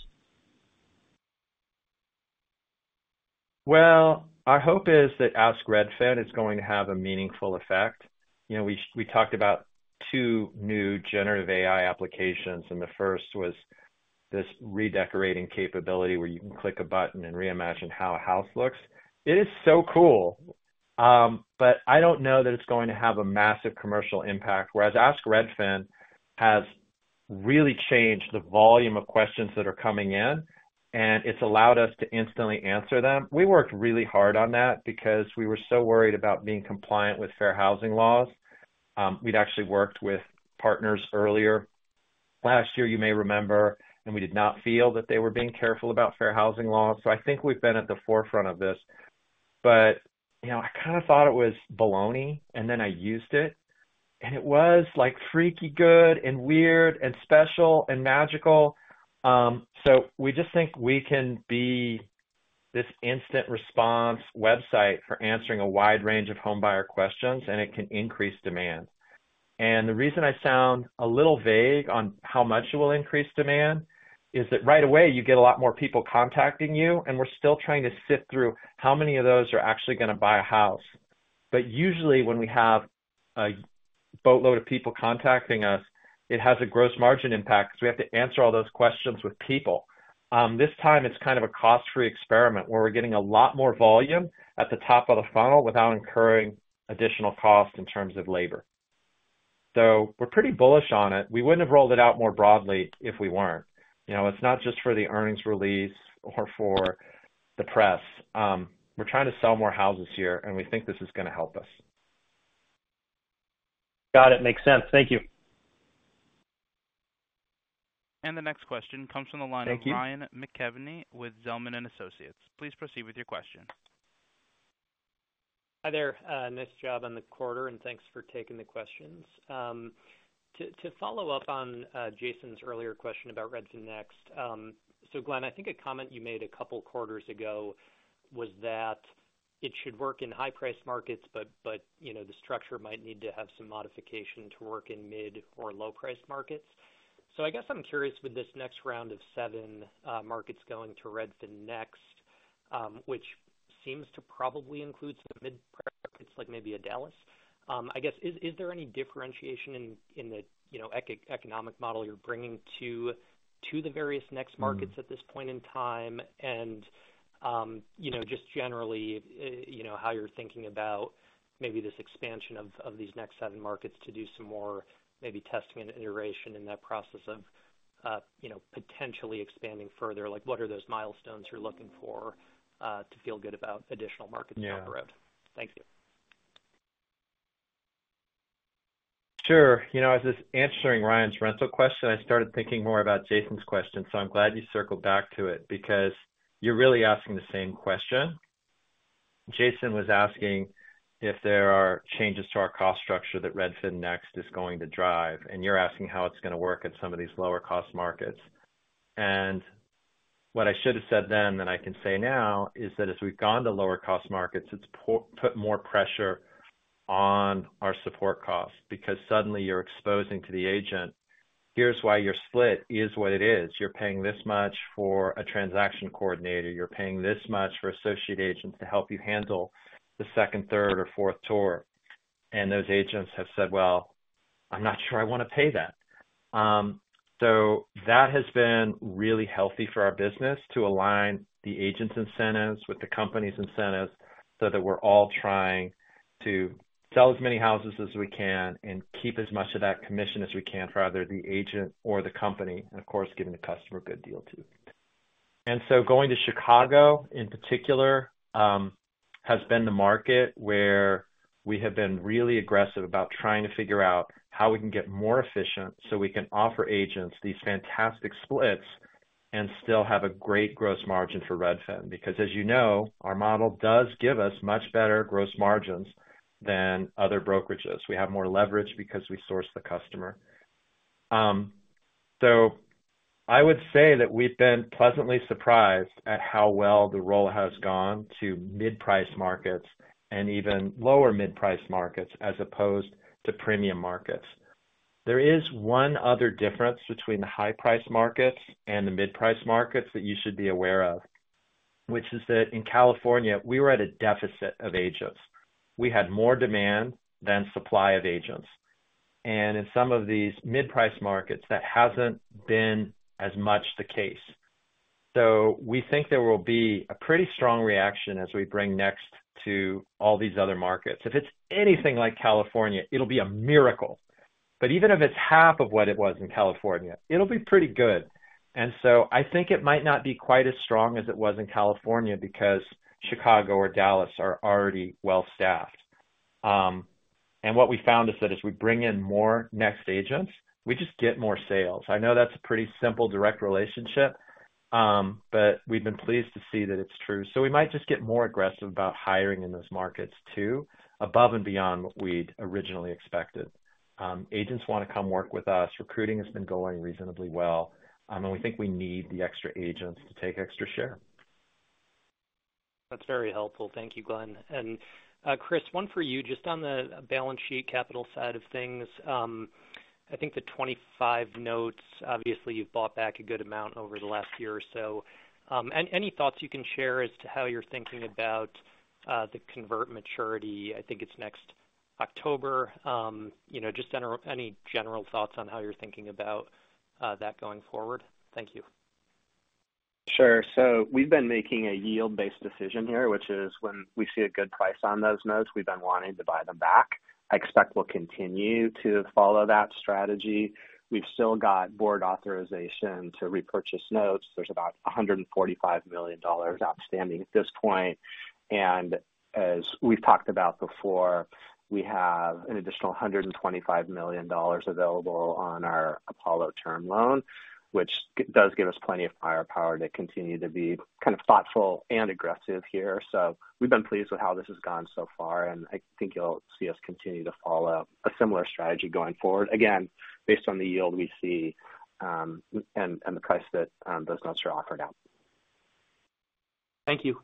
Well, our hope is that Ask Redfin is going to have a meaningful effect. You know, we talked about two new generative AI applications, and the first was this redecorating capability where you can click a button and reimagine how a house looks. It is so cool. But I don't know that it's going to have a massive commercial impact, whereas Ask Redfin has really changed the volume of questions that are coming in, and it's allowed us to instantly answer them. We worked really hard on that because we were so worried about being compliant with fair housing laws. We'd actually worked with partners earlier last year, you may remember, and we did not feel that they were being careful about fair housing laws. So I think we've been at the forefront of this. But, you know, I kind of thought it was baloney, and then I used it. And it was like freaky good and weird and special and magical. So we just think we can be this instant response website for answering a wide range of homebuyer questions, and it can increase demand. And the reason I sound a little vague on how much it will increase demand is that right away, you get a lot more people contacting you, and we're still trying to sift through how many of those are actually going to buy a house. But usually, when we have a boatload of people contacting us, it has a gross margin impact because we have to answer all those questions with people. This time, it's kind of a cost-free experiment where we're getting a lot more volume at the top of the funnel without incurring additional cost in terms of labor. So we're pretty bullish on it. We wouldn't have rolled it out more broadly if we weren't. You know, it's not just for the earnings release or for the press. We're trying to sell more houses here, and we think this is going to help us. Got it. Makes sense. Thank you. The next question comes from the line of Ryan McKeveny with Zelman & Associates. Please proceed with your question. Hi there, nice job on the quarter, and thanks for taking the questions. To follow up on Jason's earlier question about Redfin Next, so Glenn, I think a comment you made a couple quarters ago was that it should work in high-priced markets, but the structure might need to have some modification to work in mid or low-priced markets. So I guess I'm curious with this next round of seven markets going to Redfin Next, which seems to probably include some mid-priced markets, like maybe Dallas. I guess, is there any differentiation in the economic model you're bringing to the various Next markets at this point in time? Just generally, how you're thinking about maybe this expansion of these next seven markets to do some more maybe testing and iteration in that process of potentially expanding further, what are those milestones you're looking for to feel good about additional markets down the road? Thank you. Sure. You know, as I was answering Ryan's rental question, I started thinking more about Jason's question, so I'm glad you circled back to it because you're really asking the same question. Jason was asking if there are changes to our cost structure that Redfin Next is going to drive, and you're asking how it's going to work at some of these lower-cost markets. And what I should have said then that I can say now is that as we've gone to lower-cost markets, it's put more pressure on our support costs because suddenly you're exposing to the agent, "Here's why your split is what it is. You're paying this much for a transaction coordinator. You're paying this much for associate agents to help you handle the second, third, or fourth tour." And those agents have said, "Well, I'm not sure I want to pay that." So that has been really healthy for our business to align the agents' incentives with the company's incentives so that we're all trying to sell as many houses as we can and keep as much of that commission as we can for either the agent or the company, and of course, giving the customer a good deal too. And so going to Chicago in particular has been the market where we have been really aggressive about trying to figure out how we can get more efficient so we can offer agents these fantastic splits and still have a great gross margin for Redfin because, as you know, our model does give us much better gross margins than other brokerages. We have more leverage because we source the customer. I would say that we've been pleasantly surprised at how well the rollout has gone to mid-priced markets and even lower mid-priced markets as opposed to premium markets. There is one other difference between the high-priced markets and the mid-priced markets that you should be aware of, which is that in California, we were at a deficit of agents. We had more demand than supply of agents. In some of these mid-priced markets, that hasn't been as much the case. We think there will be a pretty strong reaction as we bring Next to all these other markets. If it's anything like California, it'll be a miracle. But even if it's half of what it was in California, it'll be pretty good. I think it might not be quite as strong as it was in California because Chicago or Dallas are already well-staffed. What we found is that as we bring in more Next agents, we just get more sales. I know that's a pretty simple direct relationship, but we've been pleased to see that it's true. We might just get more aggressive about hiring in those markets too, above and beyond what we'd originally expected. Agents want to come work with us. Recruiting has been going reasonably well. We think we need the extra agents to take extra share. That's very helpful. Thank you, Glenn. And Chris, one for you, just on the balance sheet capital side of things. I think the 25 notes, obviously, you've bought back a good amount over the last year or so. Any thoughts you can share as to how you're thinking about the convert maturity? I think it's next October. Just any general thoughts on how you're thinking about that going forward? Thank you. Sure. We've been making a yield-based decision here, which is when we see a good price on those notes, we've been wanting to buy them back. I expect we'll continue to follow that strategy. We've still got board authorization to repurchase notes. There's about $145 million outstanding at this point. As we've talked about before, we have an additional $125 million available on our Apollo term loan, which does give us plenty of firepower to continue to be kind of thoughtful and aggressive here. We've been pleased with how this has gone so far, and I think you'll see us continue to follow a similar strategy going forward, again, based on the yield we see and the price that those notes are offered at. Thank you.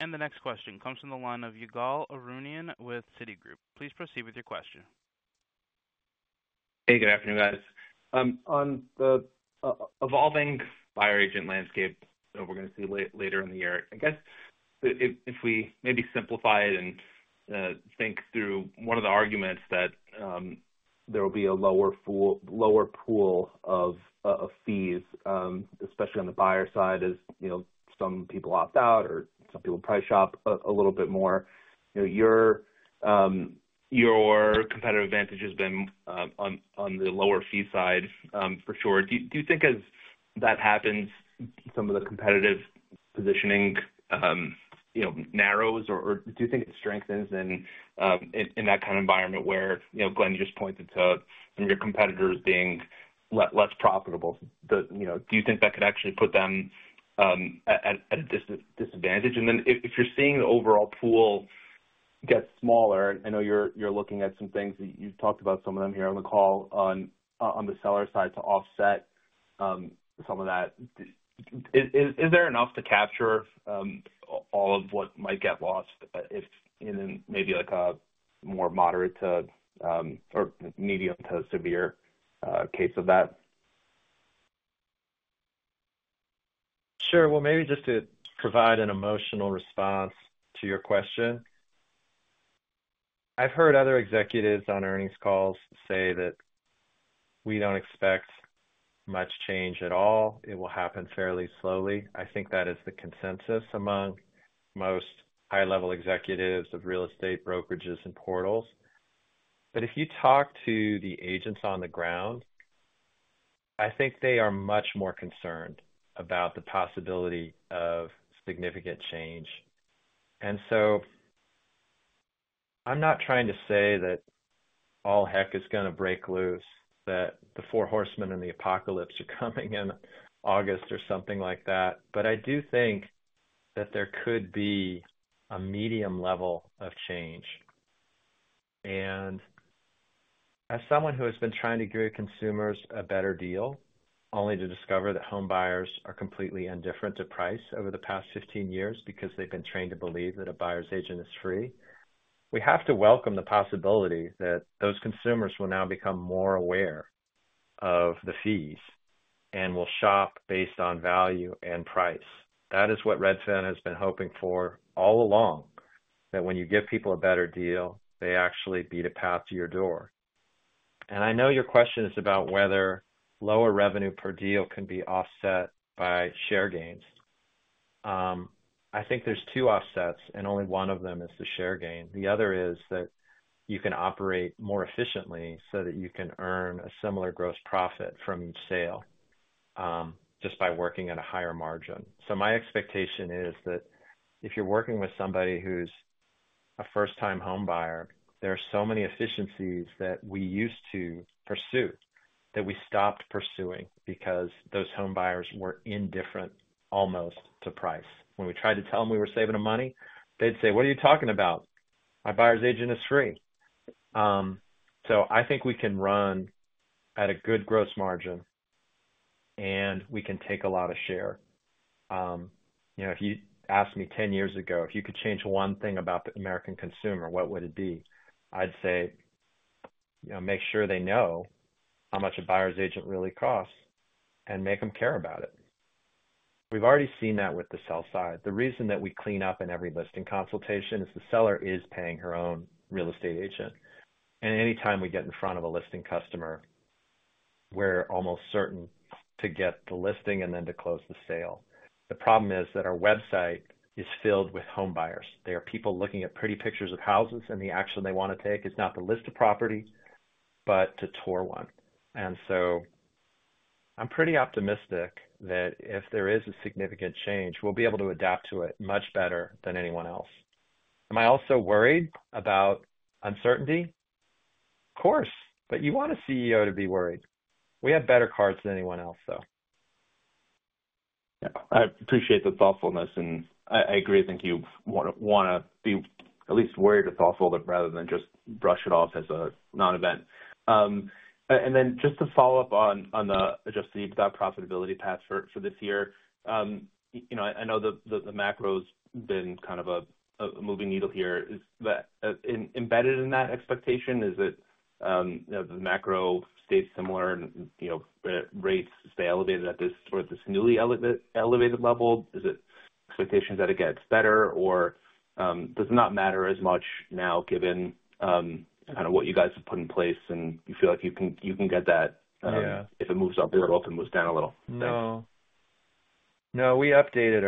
The next question comes from the line of Ygal Arounian with Citigroup. Please proceed with your question. Hey, good afternoon, guys. On the evolving buyer agent landscape that we're going to see later in the year, I guess if we maybe simplify it and think through one of the arguments that there will be a lower pool of fees, especially on the buyer side as some people opt out or some people price shop a little bit more, your competitive advantage has been on the lower fee side, for sure. Do you think as that happens, some of the competitive positioning narrows, or do you think it strengthens in that kind of environment where Glenn just pointed to some of your competitors being less profitable? Do you think that could actually put them at a disadvantage? And then if you're seeing the overall pool get smaller, I know you're looking at some things that you've talked about, some of them here on the call, on the seller side to offset some of that. Is there enough to capture all of what might get lost in maybe a more moderate to or medium to severe case of that? Sure. Well, maybe just to provide an emotional response to your question, I've heard other executives on earnings calls say that we don't expect much change at all. It will happen fairly slowly. I think that is the consensus among most high-level executives of real estate brokerages and portals. But if you talk to the agents on the ground, I think they are much more concerned about the possibility of significant change. And so I'm not trying to say that all heck is going to break loose, that the four horsemen and the apocalypse are coming in August or something like that. But I do think that there could be a medium level of change. As someone who has been trying to give consumers a better deal, only to discover that homebuyers are completely indifferent to price over the past 15 years because they've been trained to believe that a buyer's agent is free, we have to welcome the possibility that those consumers will now become more aware of the fees and will shop based on value and price. That is what Redfin has been hoping for all along, that when you give people a better deal, they actually beat a path to your door. I know your question is about whether lower revenue per deal can be offset by share gains. I think there's two offsets, and only one of them is the share gain. The other is that you can operate more efficiently so that you can earn a similar gross profit from each sale just by working at a higher margin. So my expectation is that if you're working with somebody who's a first-time homebuyer, there are so many efficiencies that we used to pursue that we stopped pursuing because those homebuyers were indifferent almost to price. When we tried to tell them we were saving them money, they'd say, "What are you talking about? My buyer's agent is free." So I think we can run at a good gross margin, and we can take a lot of share. If you asked me 10 years ago, if you could change one thing about the American consumer, what would it be? I'd say make sure they know how much a buyer's agent really costs and make them care about it. We've already seen that with the sell side. The reason that we clean up in every listing consultation is the seller is paying her own real estate agent. And anytime we get in front of a listing customer, we're almost certain to get the listing and then to close the sale. The problem is that our website is filled with homebuyers. There are people looking at pretty pictures of houses, and the action they want to take is not to list a property, but to tour one. And so I'm pretty optimistic that if there is a significant change, we'll be able to adapt to it much better than anyone else. Am I also worried about uncertainty? Of course. But you want a CEO to be worried. We have better cards than anyone else, though. Yeah. I appreciate the thoughtfulness, and I agree. I think you want to be at least worried or thoughtful rather than just brush it off as a non-event. And then just to follow up on the Adjusted EBITDA profitability path for this year, I know the macro's been kind of a moving needle here. Is that embedded in that expectation? Is it the macro stays similar and rates stay elevated at this or this newly elevated level? Is it expectations that it gets better, or does it not matter as much now given kind of what you guys have put in place and you feel like you can get that if it moves up a little or if it moves down a little? No. No, we updated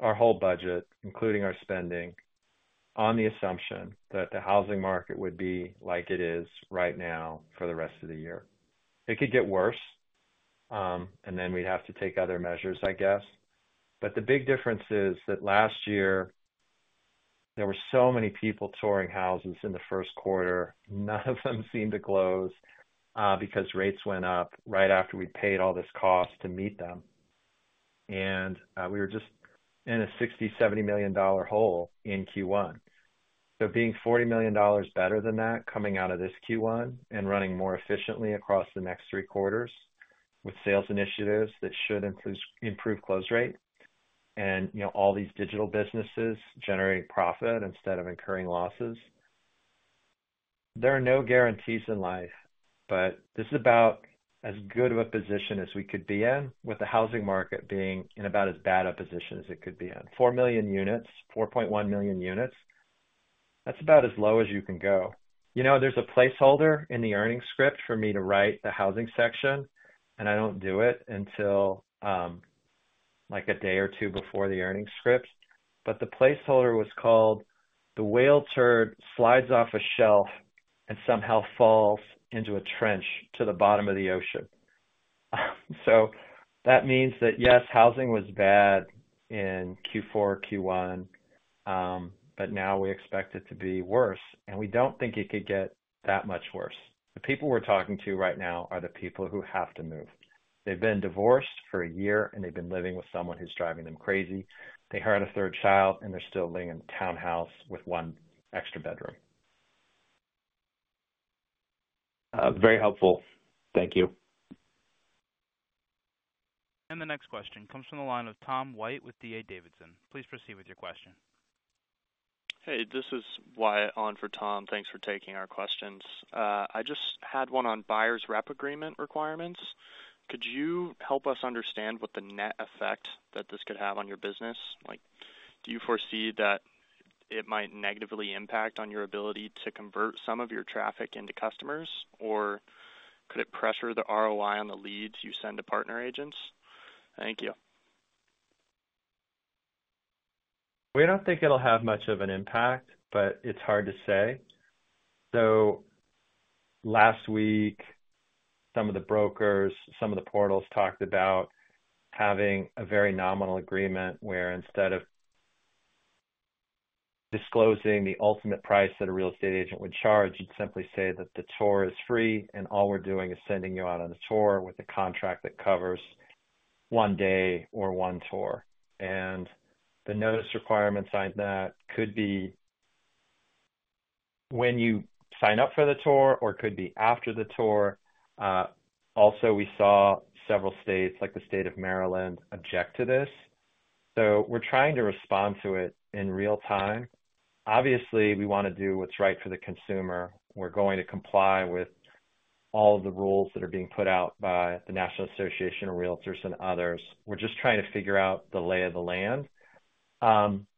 our whole budget, including our spending, on the assumption that the housing market would be like it is right now for the rest of the year. It could get worse, and then we'd have to take other measures, I guess. But the big difference is that last year, there were so many people touring houses in the first quarter. None of them seemed to close because rates went up right after we'd paid all this cost to meet them. And we were just in a $60-$70 million hole in Q1. So being $40 million better than that, coming out of this Q1 and running more efficiently across the next three quarters with sales initiatives that should improve close rate and all these digital businesses generating profit instead of incurring losses, there are no guarantees in life. But this is about as good of a position as we could be in with the housing market being in about as bad a position as it could be in. Four million units, 4.1 million units, that's about as low as you can go. There's a placeholder in the earnings script for me to write the housing section, and I don't do it until a day or two before the earnings script. But the placeholder was called the whale turd slides off a shelf and somehow falls into a trench to the bottom of the ocean. So that means that, yes, housing was bad in Q4, Q1, but now we expect it to be worse. And we don't think it could get that much worse. The people we're talking to right now are the people who have to move. They've been divorced for a year, and they've been living with someone who's driving them crazy. They hired a third child, and they're still living in a townhouse with one extra bedroom. Very helpful. Thank you. The next question comes from the line of Tom White with D.A. Davidson. Please proceed with your question. Hey, this is Wyatt on for Tom. Thanks for taking our questions. I just had one on buyer's rep agreement requirements. Could you help us understand what the net effect that this could have on your business? Do you foresee that it might negatively impact on your ability to convert some of your traffic into customers, or could it pressure the ROI on the leads you send to partner agents? Thank you. We don't think it'll have much of an impact, but it's hard to say. So last week, some of the brokers, some of the portals talked about having a very nominal agreement where instead of disclosing the ultimate price that a real estate agent would charge, you'd simply say that the tour is free and all we're doing is sending you out on a tour with a contract that covers one day or one tour. And the notice requirement signed that could be when you sign up for the tour or could be after the tour. Also, we saw several states, like the state of Maryland, object to this. So we're trying to respond to it in real time. Obviously, we want to do what's right for the consumer. We're going to comply with all of the rules that are being put out by the National Association of Realtors and others. We're just trying to figure out the lay of the land.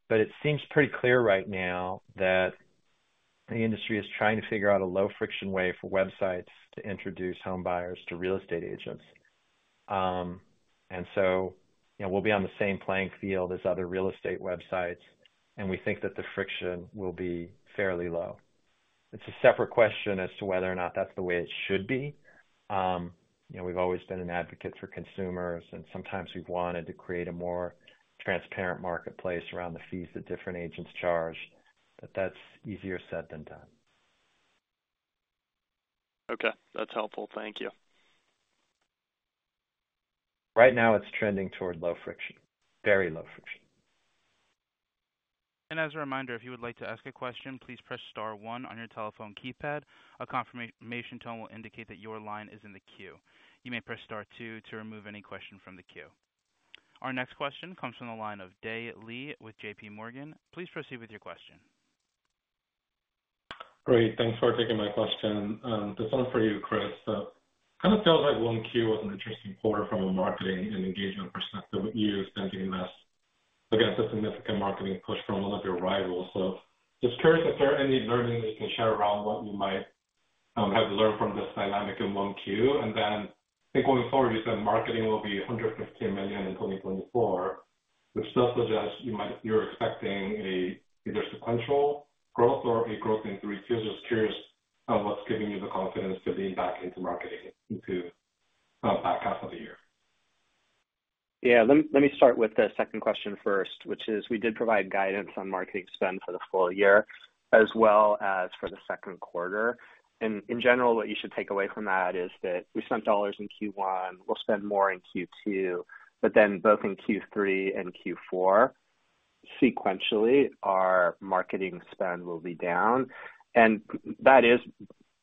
But it seems pretty clear right now that the industry is trying to figure out a low-friction way for websites to introduce homebuyers to real estate agents. And so we'll be on the same playing field as other real estate websites, and we think that the friction will be fairly low. It's a separate question as to whether or not that's the way it should be. We've always been an advocate for consumers, and sometimes we've wanted to create a more transparent marketplace around the fees that different agents charge. But that's easier said than done. Okay. That's helpful. Thank you. Right now, it's trending toward low friction, very low friction. As a reminder, if you would like to ask a question, please press star one on your telephone keypad. A confirmation tone will indicate that your line is in the queue. You may press star two to remove any question from the queue. Our next question comes from the line of Dae Lee with JPMorgan. Please proceed with your question. Great. Thanks for taking my question. This one for you, Chris. It kind of feels like 1Q was an interesting quarter from a marketing and engagement perspective. You spent even less against a significant marketing push from one of your rivals. So just curious if there are any learnings that you can share around what you might have learned from this dynamic in 1Q. And then I think going forward, you said marketing will be $115 million in 2024, which does suggest you're expecting either sequential growth or a growth in three Qs. Just curious what's giving you the confidence to lean back into marketing into the back half of the year? Yeah. Let me start with the second question first, which is we did provide guidance on marketing spend for the full year as well as for the second quarter. And in general, what you should take away from that is that we spent dollars in Q1. We'll spend more in Q2. But then both in Q3 and Q4, sequentially, our marketing spend will be down. And that is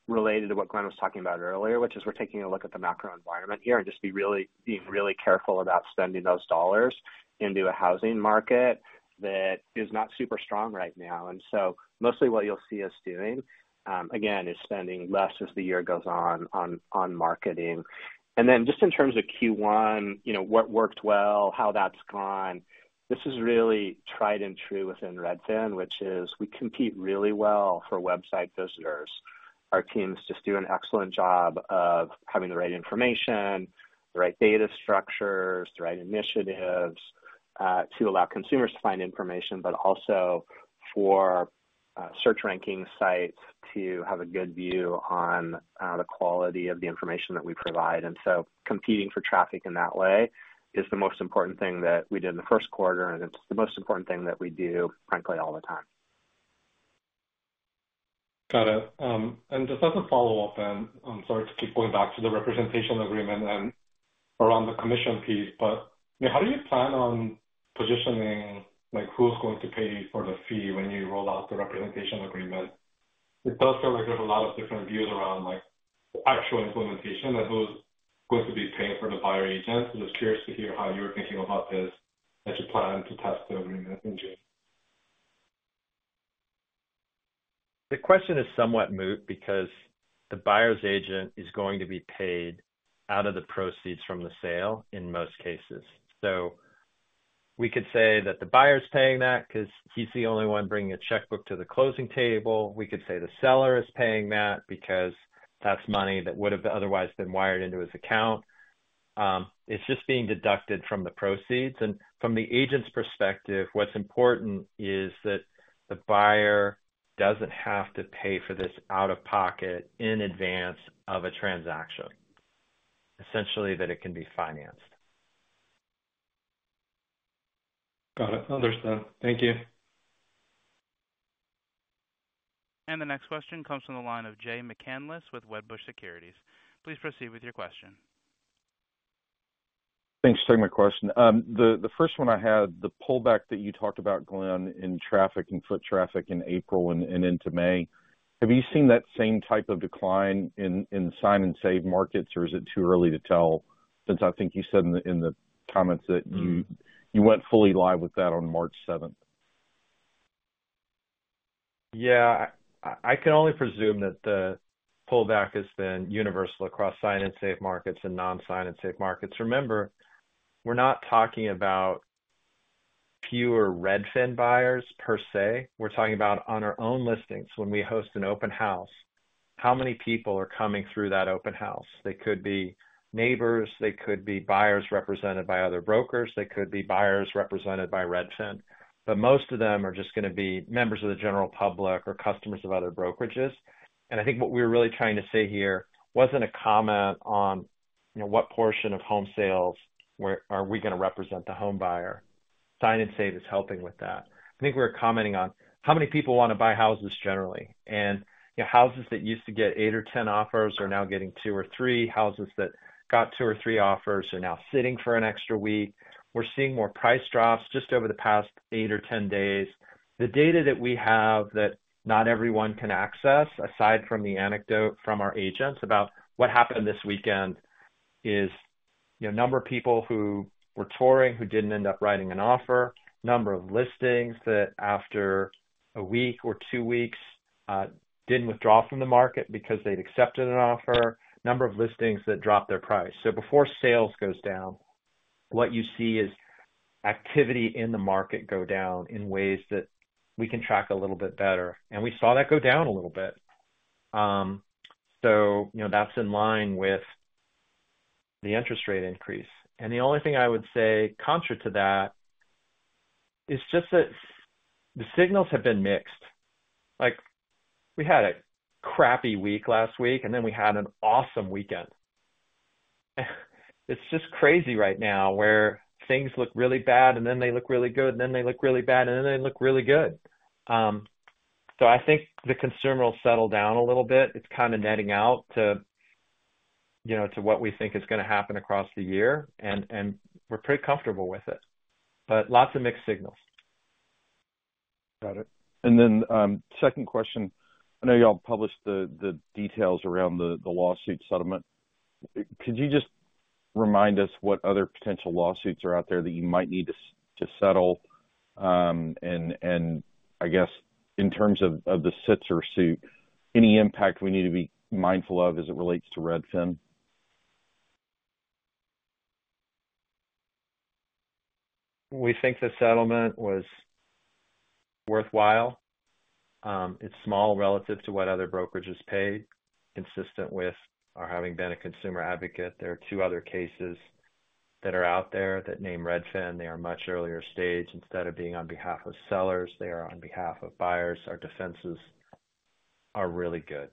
related to what Glenn was talking about earlier, which is we're taking a look at the macro environment here and just being really careful about spending those dollars into a housing market that is not super strong right now. And so mostly what you'll see us doing, again, is spending less as the year goes on on marketing. And then just in terms of Q1, what worked well, how that's gone, this is really tried and true within Redfin, which is we compete really well for website visitors. Our teams just do an excellent job of having the right information, the right data structures, the right initiatives to allow consumers to find information, but also for search ranking sites to have a good view on the quality of the information that we provide. And so competing for traffic in that way is the most important thing that we did in the first quarter, and it's the most important thing that we do, frankly, all the time. Got it. And just as a follow-up then, I'm sorry to keep going back to the representation agreement and around the commission piece, but how do you plan on positioning who's going to pay for the fee when you roll out the representation agreement? It does feel like there's a lot of different views around actual implementation and who's going to be paying for the buyer agent. So just curious to hear how you were thinking about this as you plan to test the agreement in June? The question is somewhat moot because the buyer's agent is going to be paid out of the proceeds from the sale in most cases. So we could say that the buyer's paying that because he's the only one bringing a checkbook to the closing table. We could say the seller is paying that because that's money that would have otherwise been wired into his account. It's just being deducted from the proceeds. And from the agent's perspective, what's important is that the buyer doesn't have to pay for this out-of-pocket in advance of a transaction, essentially that it can be financed. Got it. Understood. Thank you. The next question comes from the line of Jay McCanless with Wedbush Securities. Please proceed with your question. Thanks for taking my question. The first one I had, the pullback that you talked about, Glenn, in foot traffic in April and into May, have you seen that same type of decline in Sign & Save markets, or is it too early to tell? Since I think you said in the comments that you went fully live with that on March 7th. Yeah. I can only presume that the pullback has been universal across Sign & Save markets and non-Sign & Save markets. Remember, we're not talking about pure Redfin buyers per se. We're talking about on our own listings, when we host an open house, how many people are coming through that open house? They could be neighbors. They could be buyers represented by other brokers. They could be buyers represented by Redfin. But most of them are just going to be members of the general public or customers of other brokerages. And I think what we were really trying to say here wasn't a comment on what portion of home sales are we going to represent the homebuyer. Sign & Save is helping with that. I think we were commenting on how many people want to buy houses generally. And houses that used to get eight or 10 offers are now getting two or three. Houses that got two or three offers are now sitting for an extra week. We're seeing more price drops just over the past eight or 10 days. The data that we have that not everyone can access, aside from the anecdote from our agents about what happened this weekend, is number of people who were touring who didn't end up writing an offer, number of listings that after a week or two weeks didn't withdraw from the market because they'd accepted an offer, number of listings that dropped their price. So before sales goes down, what you see is activity in the market go down in ways that we can track a little bit better. And we saw that go down a little bit. So that's in line with the interest rate increase. The only thing I would say contrary to that is just that the signals have been mixed. We had a crappy week last week, and then we had an awesome weekend. It's just crazy right now where things look really bad, and then they look really good, and then they look really bad, and then they look really good. I think the consumer will settle down a little bit. It's kind of netting out to what we think is going to happen across the year, and we're pretty comfortable with it. Lots of mixed signals. Got it. And then second question, I know y'all published the details around the lawsuit settlement. Could you just remind us what other potential lawsuits are out there that you might need to settle? And I guess in terms of the Sitzer suit, any impact we need to be mindful of as it relates to Redfin? We think the settlement was worthwhile. It's small relative to what other brokerages paid, consistent with our having been a consumer advocate. There are two other cases that are out there that name Redfin. They are much earlier stage. Instead of being on behalf of sellers, they are on behalf of buyers. Our defenses are really good.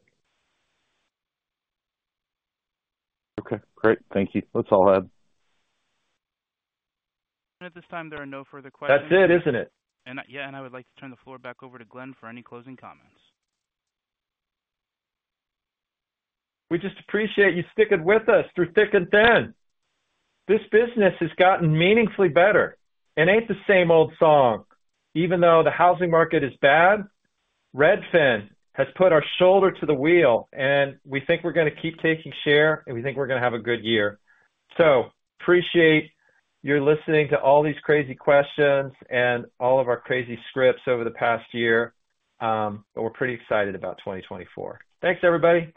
Okay. Great. Thank you. That's all I had. At this time, there are no further questions. That's it, isn't it? Yeah. And I would like to turn the floor back over to Glenn for any closing comments. We just appreciate you sticking with us through thick and thin. This business has gotten meaningfully better. It ain't the same old song. Even though the housing market is bad, Redfin has put our shoulder to the wheel, and we think we're going to keep taking share, and we think we're going to have a good year. So appreciate your listening to all these crazy questions and all of our crazy scripts over the past year. But we're pretty excited about 2024. Thanks, everybody.